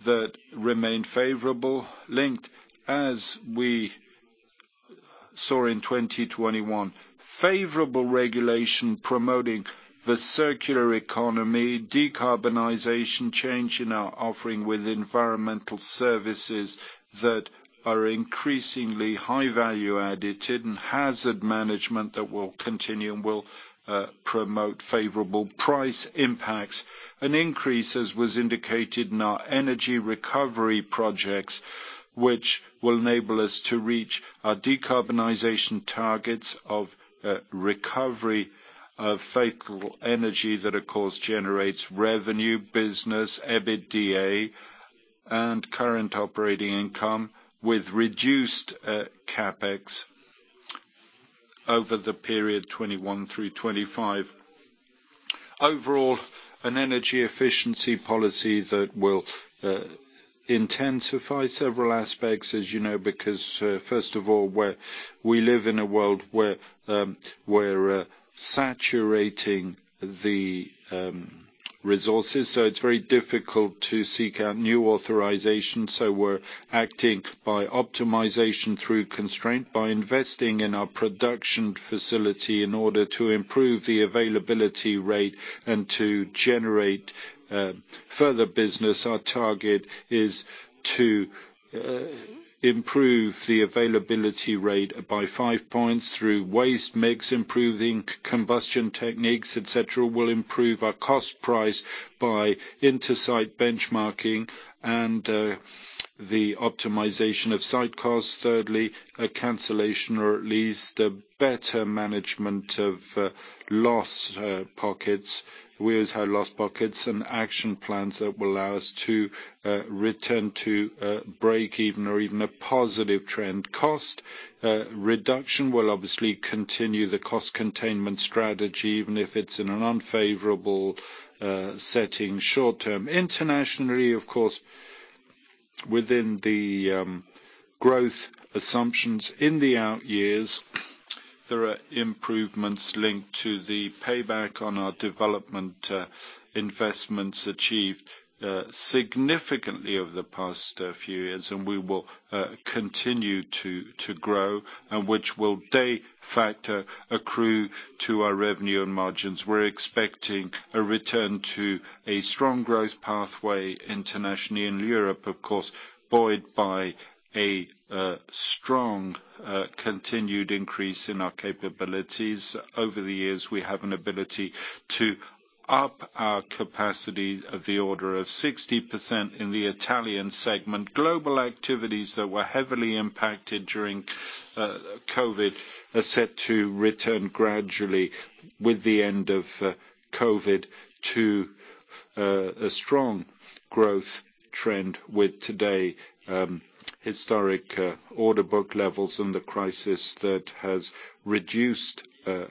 S3: that remain favorable, linked as we saw in 2021. Favorable regulation promoting the circular economy, decarbonization, change in our offering with environmental services that are increasingly high value added and hazard management that will continue and will promote favorable price impacts. An increase, as was indicated in our energy recovery projects, which will enable us to reach our decarbonization targets of recovery of fatal energy that of course generates Revenue, business, EBITDA, and current operating Income with reduced CapEx over the period 2021 through 2025. Overall, an energy efficiency policy that will intensify several aspects, as you know, because first of all, we live in a world where we're saturating the resources, so it's very difficult to seek out new authorizations. We're acting by optimization through constraint, by investing in our production facility in order to improve the availability rate and to generate further business. Our target is to improve the availability rate by five points through Waste mix improving, combustion techniques, et cetera. We'll improve our cost price by inter-site benchmarking and the optimization of site costs. Thirdly, a cancellation or at least a better management of loss pockets. We always had loss pockets and action plans that will allow us to return to break even or even a positive trend. Cost reduction will obviously continue the cost containment strategy, even if it's in an unfavorable setting short term. Internationally, of course, within the growth assumptions in the out years, there are improvements linked to the payback on our development investments achieved significantly over the past few years, and we will continue to grow, and which will de facto accrue to our Revenue and margins. We're expecting a return to a strong growth pathway internationally. In Europe, of course, buoyed by a strong continued increase in our capabilities. Over the years, we have an ability to up our capacity of the order of 60% in the Italian segment. Global activities that were heavily impacted during COVID are set to return gradually with the end of COVID to a strong growth trend with today historic order book levels in the crisis that has reduced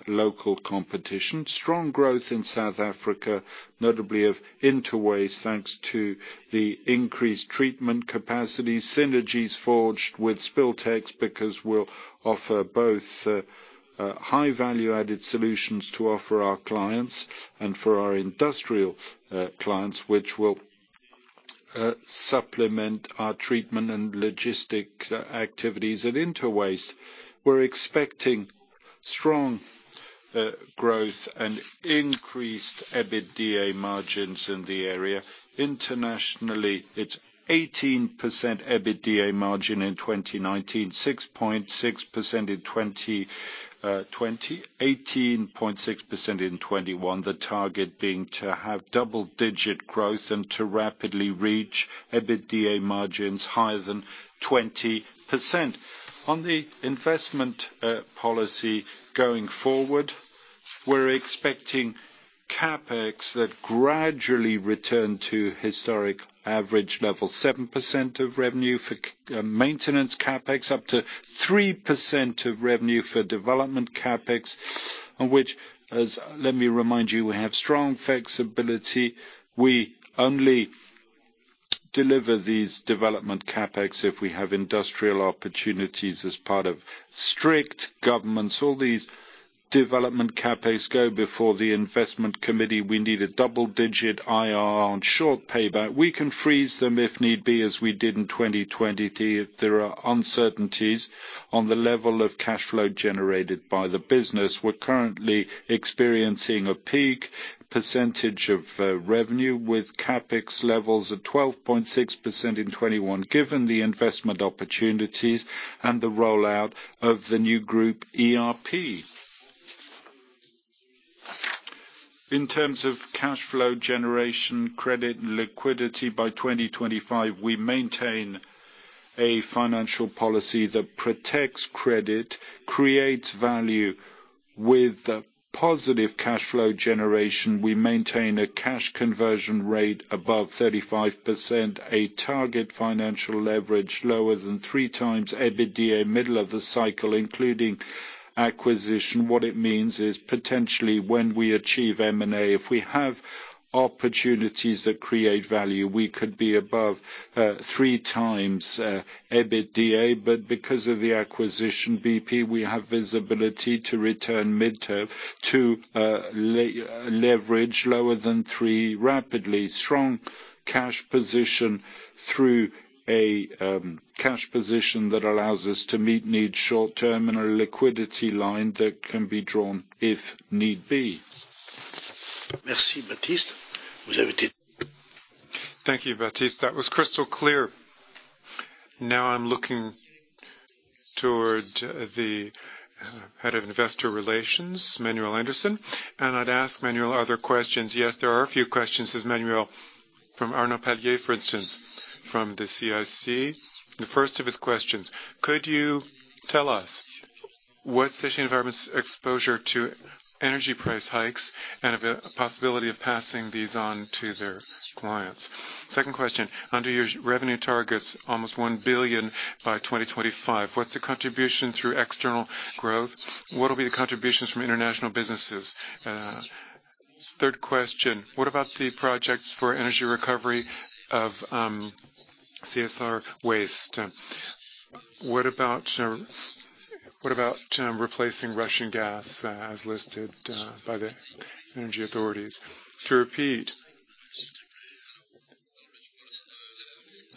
S3: local competition. Strong growth in South Africa, notably of InterWaste, thanks to the increased treatment capacity, synergies forged with Spill Tech because we'll offer both high value-added solutions to offer our clients and for our industrial clients which will supplement our treatment and logistic activities. At InterWaste, we're expecting strong growth and increased EBITDA margins in the area. Internationally, it's 18% EBITDA margin in 2019, 6.6% in 2020, 18.6% in 2021. The target being to have double-digit growth and to rapidly reach EBITDA margins higher than 20%. On the investment policy going forward, we're expecting CapEx that gradually return to historic average level, 7% of Revenue for maintenance CapEx, up to 3% of Revenue for development CapEx, on which, let me remind you, we have strong flexibility. We only deliver these development CapEx if we have industrial opportunities as part of strict governance. All these development CapEx go before the Investment Committee. We need a double-digit IRR on short payback. We can freeze them if need be, as we did in 2020 if there are uncertainties on the level of cash flow generated by the business. We're currently experiencing a peak percentage of Revenue with CapEx levels at 12.6% in 2021, given the investment opportunities and the rollout of the new Group ERP. In terms of cash flow generation, credit, and liquidity by 2025, we maintain a financial policy that protects credit, creates value with a positive cash flow generation. We maintain a cash conversion rate above 35%, a target financial leverage lower than 3x EBITDA middle of the cycle, including acquisition. What it means is potentially when we achieve M&A, if we have opportunities that create value, we could be above 3x EBITDA, but because of the acquisition, we have visibility to return mid-term to leverage lower than three. Rather strong cash position through a cash position that allows us to meet short-term needs and a liquidity line that can be drawn if need be.
S2: Merci, Baptiste. Thank you, Baptiste. That was crystal clear. Now I'm looking toward the Head of Investor Relations, Manuel Andersen, and I'd ask Manuel, are there questions? Yes, there are a few questions, yes, Manuel, from Arnaud Palliez, for instance, from the CIC. The first of his questions: Could you tell us what the situation is of our exposure to energy price hikes and the possibility of passing these on to their clients? Second question. Under your Revenue targets, almost 1 billion by 2025, what's the contribution through external growth? What will be the contributions from international businesses? Third question, what about the projects for energy recovery of CSR Waste? What about replacing Russian gas as listed by the energy authorities?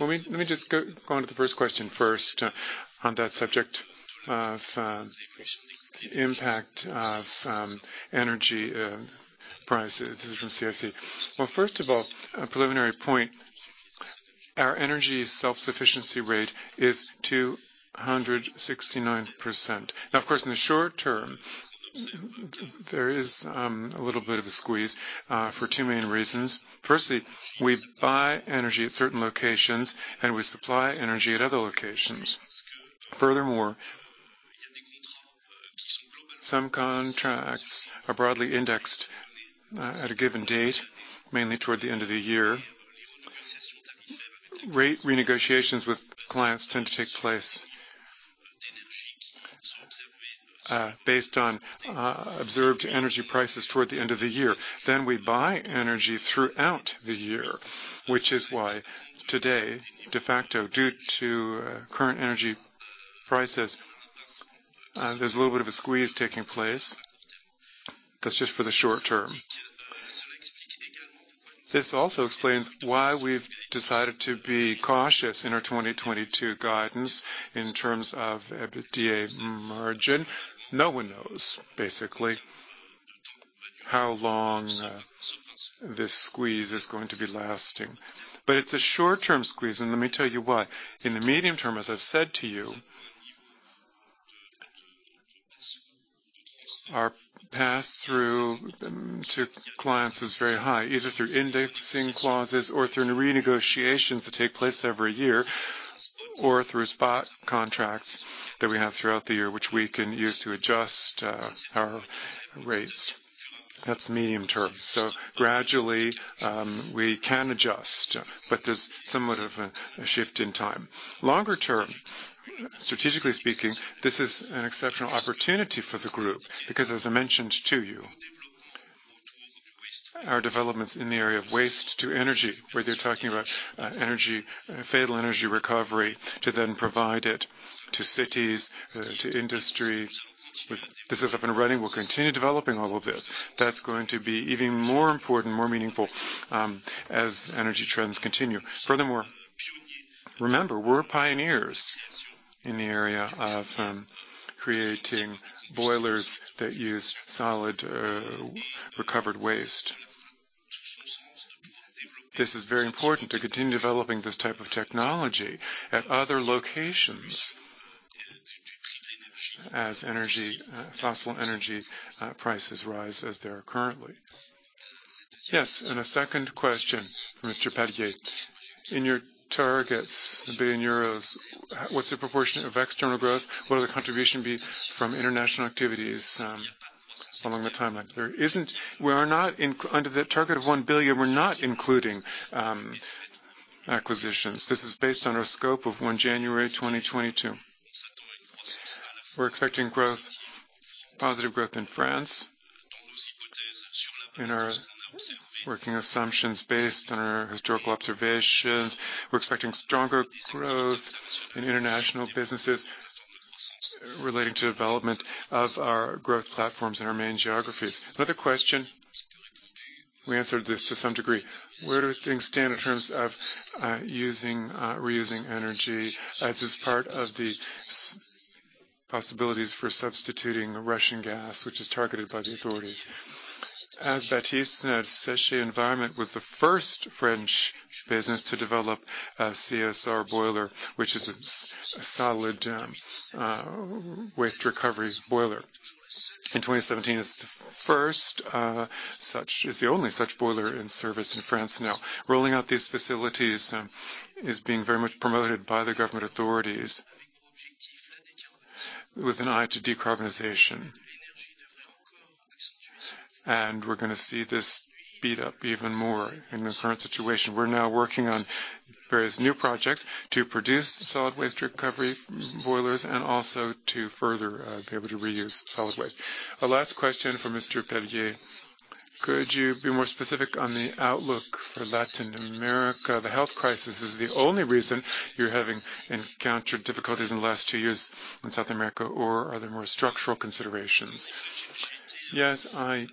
S1: Well, let me just go on to the first question first, on that subject of impact of energy prices. This is from CIC. Well, first of all, a preliminary point. Our Energy Self-Sufficiency rate is 269%. Now, of course, in the short term, there is a little bit of a squeeze for two main reasons. Firstly, we buy energy at certain locations and we supply energy at other locations. Furthermore, some contracts are broadly indexed at a given date, mainly toward the end of the year. Rate renegotiations with clients tend to take place based on observed energy prices toward the end of the year. Then we buy energy throughout the year, which is why today, de facto, due to current energy prices, there's a little bit of a squeeze taking place. That's just for the short term. This also explains why we've decided to be cautious in our 2022 guidance in terms of EBITDA margin. No one knows basically how long this squeeze is going to be lasting. It's a short-term squeeze, and let me tell you why. In the medium term, as I've said to you, our pass-through to clients is very high, either through indexing clauses or through renegotiations that take place every year, or through spot contracts that we have throughout the year, which we can use to adjust our rates. That's medium term. Gradually, we can adjust, but there's somewhat of a shift in time. Longer term, strategically speaking, this is an exceptional opportunity for the Group because as I mentioned to you, our developments in the area of Waste-to-Energy, where they're talking about energy, fatal energy recovery to then provide it to cities, to industry. This is up and running. We'll continue developing all of this. That's going to be even more important, more meaningful, as energy trends continue. Furthermore, remember, we're pioneers in the area of creating boilers that use solid recovered Waste. This is very important to continue developing this type of technology at other locations as fossil energy prices rise as they are currently. Yes, a second question from Mr. Palliez. In your targets, 1 billion euros, what's the proportion of external growth? What will the contribution be from international activities along the timeline? Under the target of 1 billion, we're not including acquisitions. This is based on our scope of 1 January 2022. We're expecting growth, positive growth in France in our working assumptions based on our historical observations. We're expecting stronger growth in international businesses relating to development of our growth platforms in our main geographies. Another question, we answered this to some degree. Where do things stand in terms of using reusing energy as this part of the possibilities for substituting Russian gas, which is targeted by the authorities? As Baptiste Janiaud said, Séché Environnement was the first French business to develop a CSR boiler, which is a solid Waste recovery boiler. In 2017, it's the only such boiler in service in France now. Rolling out these facilities is being very much promoted by the government authorities with an eye to decarbonization. We're gonna see this speed up even more in the current situation. We're now working on various new projects to produce solid Waste recovery boilers and also to further be able to reuse solid Waste. A last question from Mr. Palliez. Could you be more specific on the outlook for Latin America? The health crisis is the only reason you're having encountered difficulties in the last two years in South America, or are there more structural considerations?
S2: Yes, I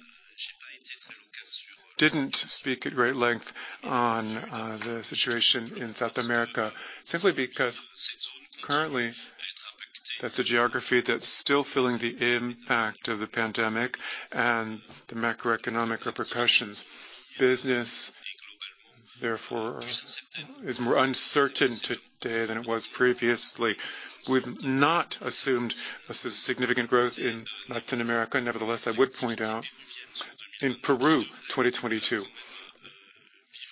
S2: didn't speak at great length on the situation in South America simply because currently that's a geography that's still feeling the impact of the pandemic and the macroeconomic repercussions. Business, therefore, is more uncertain today than it was previously. We've not assumed a significant growth in Latin America. Nevertheless, I would point out in Peru, 2022,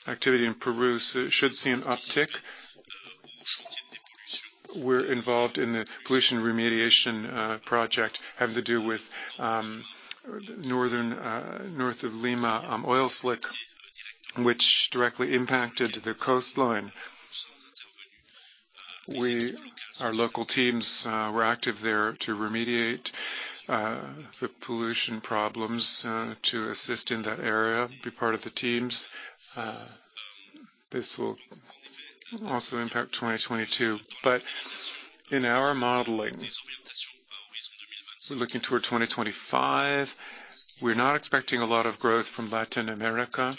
S2: activity in Peru should see an uptick. We're involved in the pollution remediation project having to do with north of Lima oil slick, which directly impacted the coastline. Our local teams were active there to remediate the pollution problems to assist in that area, be part of the teams. This will also impact 2022. In our modeling, looking toward 2025, we're not expecting a lot of growth from Latin America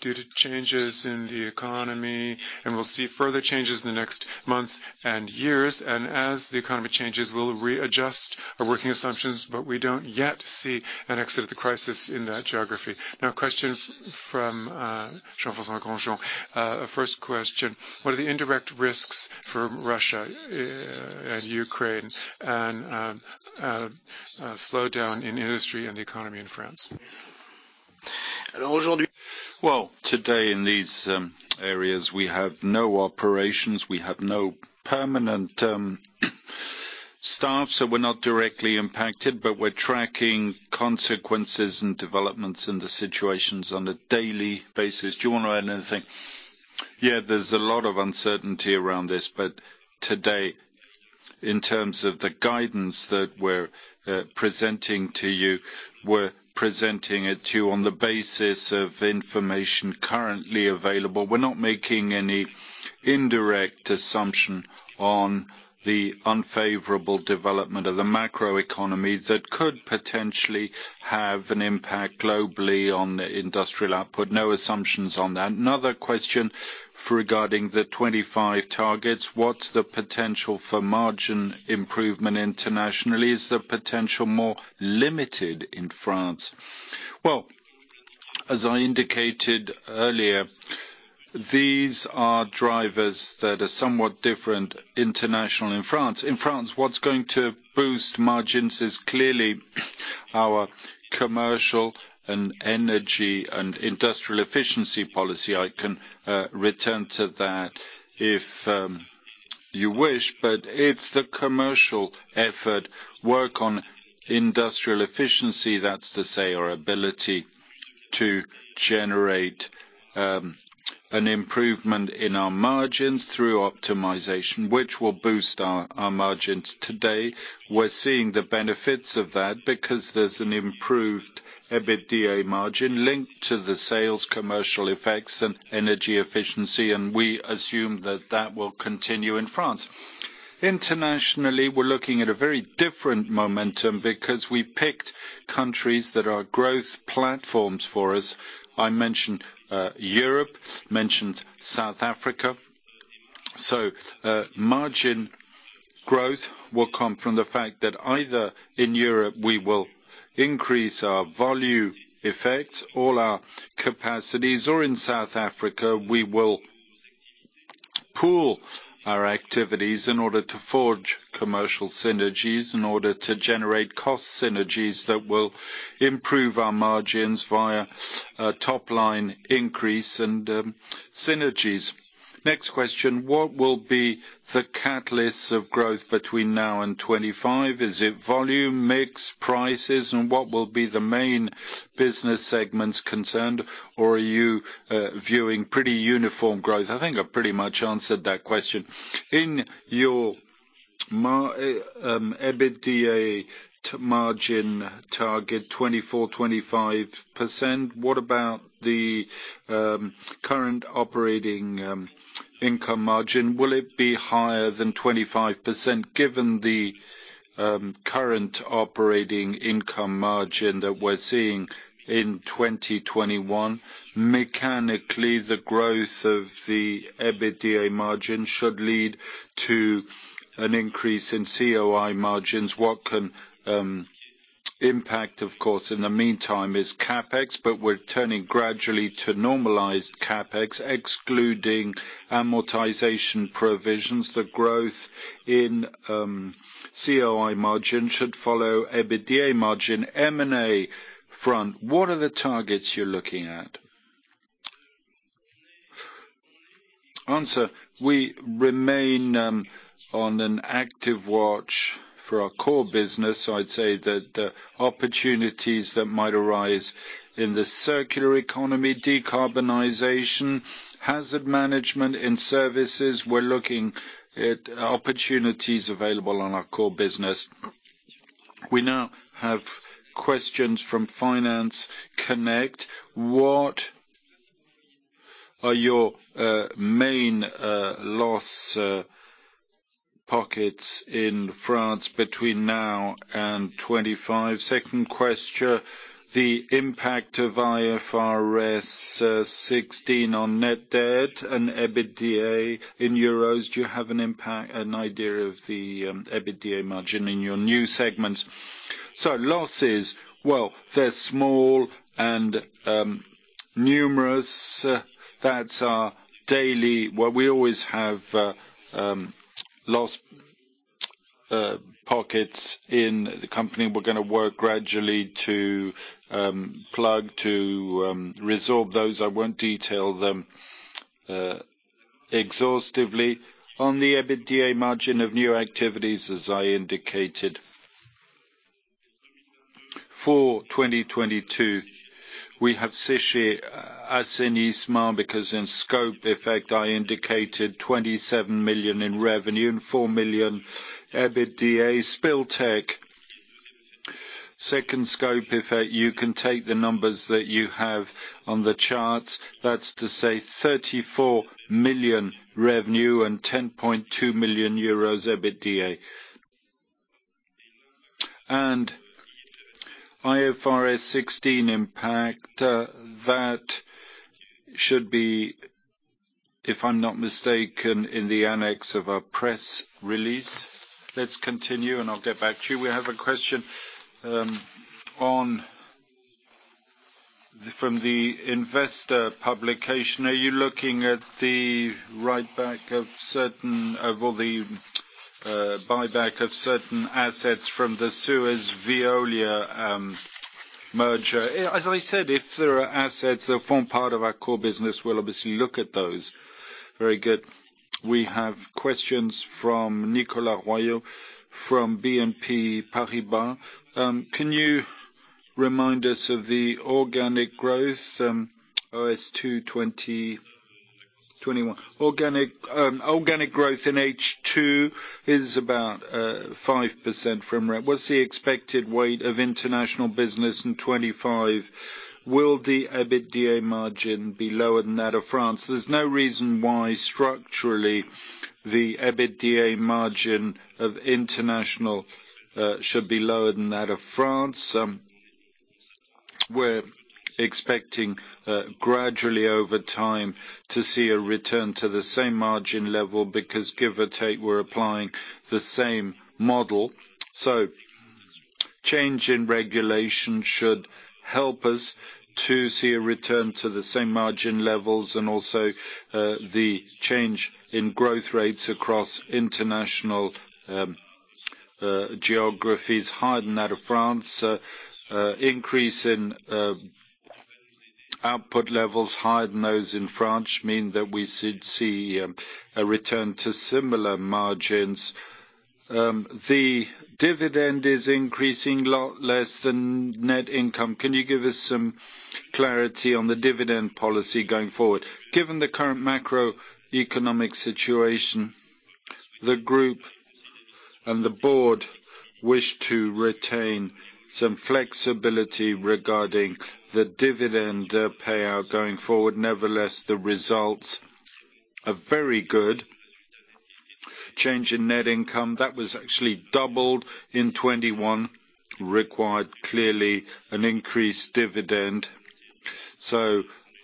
S2: due to changes in the economy, and we'll see further changes in the next months and years. As the economy changes, we'll readjust our working assumptions, but we don't yet see an exit of the crisis in that geography.
S1: Now, question from Jean-François Granjon. First question: What are the indirect risks for Russia and Ukraine and slowdown in industry and the economy in France?
S2: Well, today in these areas, we have no operations. We have no permanent staff, so we're not directly impacted, but we're tracking consequences and developments in the situations on a daily basis. Do you wanna add anything? Yeah, there's a lot of uncertainty around this, but today, in terms of the guidance that we're presenting to you, we're presenting it to you on the basis of information currently available. We're not making any indirect assumption on the unfavorable development of the macroeconomy that could potentially have an impact globally on industrial output. No assumptions on that. Another question regarding the 25 targets. What's the potential for margin improvement internationally? Is the potential more limited in France? Well, as I indicated earlier, these are drivers that are somewhat different internationally in France. In France, what's going to boost margins is clearly our commercial and energy and industrial efficiency policy. I can return to that if you wish, but it's the commercial effort work on industrial efficiency, that's to say our ability to generate an improvement in our margins through optimization, which will boost our margins. Today, we're seeing the benefits of that because there's an improved EBITDA margin linked to the sales commercial effects and energy efficiency, and we assume that will continue in France. Internationally, we're looking at a very different momentum because we picked countries that are growth platforms for us. I mentioned Europe, mentioned South Africa. Margin growth will come from the fact that either in Europe we will increase our volume effect, all our capacities, or in South Africa we will pool our activities in order to forge commercial synergies, in order to generate cost synergies that will improve our margins via a top-line increase and synergies. Next question: What will be the catalysts of growth between now and 25? Is it volume, mix, prices, and what will be the main business segments concerned? Or are you viewing pretty uniform growth? I think I pretty much answered that question. In your EBITDA margin target 24, 25%, what about the current operating income margin? Will it be higher than 25%, given the current operating income margin that we're seeing in 2021? Mechanically, the growth of the EBITDA margin should lead to an increase in COI margins. What can impact, of course, in the meantime is CapEx, but we're turning gradually to normalized CapEx, excluding amortization provisions. The growth in COI margin should follow EBITDA margin. M&A front, what are the targets you're looking at? Answer: We remain on an active watch for our core business. So I'd say that the opportunities that might arise in the circular economy, decarbonization, hazard management in services, we're looking at opportunities available on our core business. We now have questions from Finance Connect. What are your main loss pockets in France between now and 2025? Second question, the impact of IFRS 16 on net debt and EBITDA in euros. Do you have an idea of the EBITDA margin in your new segment? So losses. Well, they're small and numerous. Well, we always have loss pockets in the company we're gonna work gradually to plug to resolve those. I won't detail them exhaustively. On the EBITDA margin of new activities, as I indicated, for 2022, we have Séché Assainissement because in scope effect I indicated 27 million in Revenue and 4 million EBITDA. Spill Tech, second scope effect, you can take the numbers that you have on the charts. That's to say 34 million Revenue and 10.2 million euros EBITDA. IFRS 16 impact, that should be, if I'm not mistaken, in the annex of our press release. Let's continue and I'll get back to you. We have a question from the investor publication. Are you looking at the buyback of certain assets from the Suez-Veolia merger? As I said, if there are assets that form part of our core business, we'll obviously look at those.
S1: Very good. We have questions from Nicolas Royot from BNP Paribas. Can you remind us of the organic growth H2 2021? Organic growth in H2 is about 5% from rev. What's the expected weight of international business in 2025? Will the EBITDA margin be lower than that of France?
S3: There's no reason why structurally the EBITDA margin of international should be lower than that of France. We're expecting gradually over time to see a return to the same margin level because give or take, we're applying the same model. Change in regulation should help us to see a return to the same margin levels and also, the change in growth rates across international geographies higher than that of France. Increase in output levels higher than those in France mean that we should see a return to similar margins. The dividend is increasing lot less than net Income. Can you give us some clarity on the dividend policy going forward? Given the current macroeconomic situation, the Group and the board wish to retain some flexibility regarding the dividend payout going forward. Nevertheless, the results are very good. Change in net Income, that was actually doubled in 2021, required clearly an increased dividend.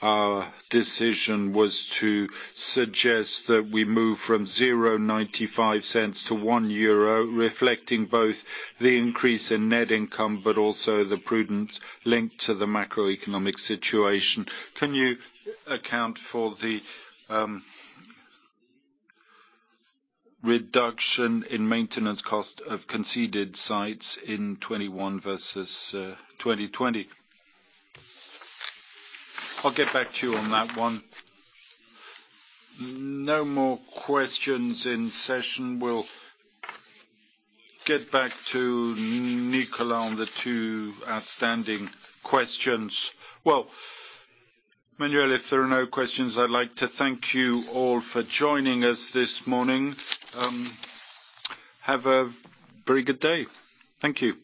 S3: Our decision was to suggest that we move from 0.95 EUR to 1 euro, reflecting both the increase in net Income but also the prudence linked to the macroeconomic situation. Can you account for the reduction in maintenance cost of concession sites in 2021 versus 2020?
S1: I'll get back to you on that one. No more questions in session. We'll get back to Nicolas on the two outstanding questions.
S2: Well, Manuel, if there are no questions, I'd like to thank you all for joining us this morning. Have a very good day. Thank you.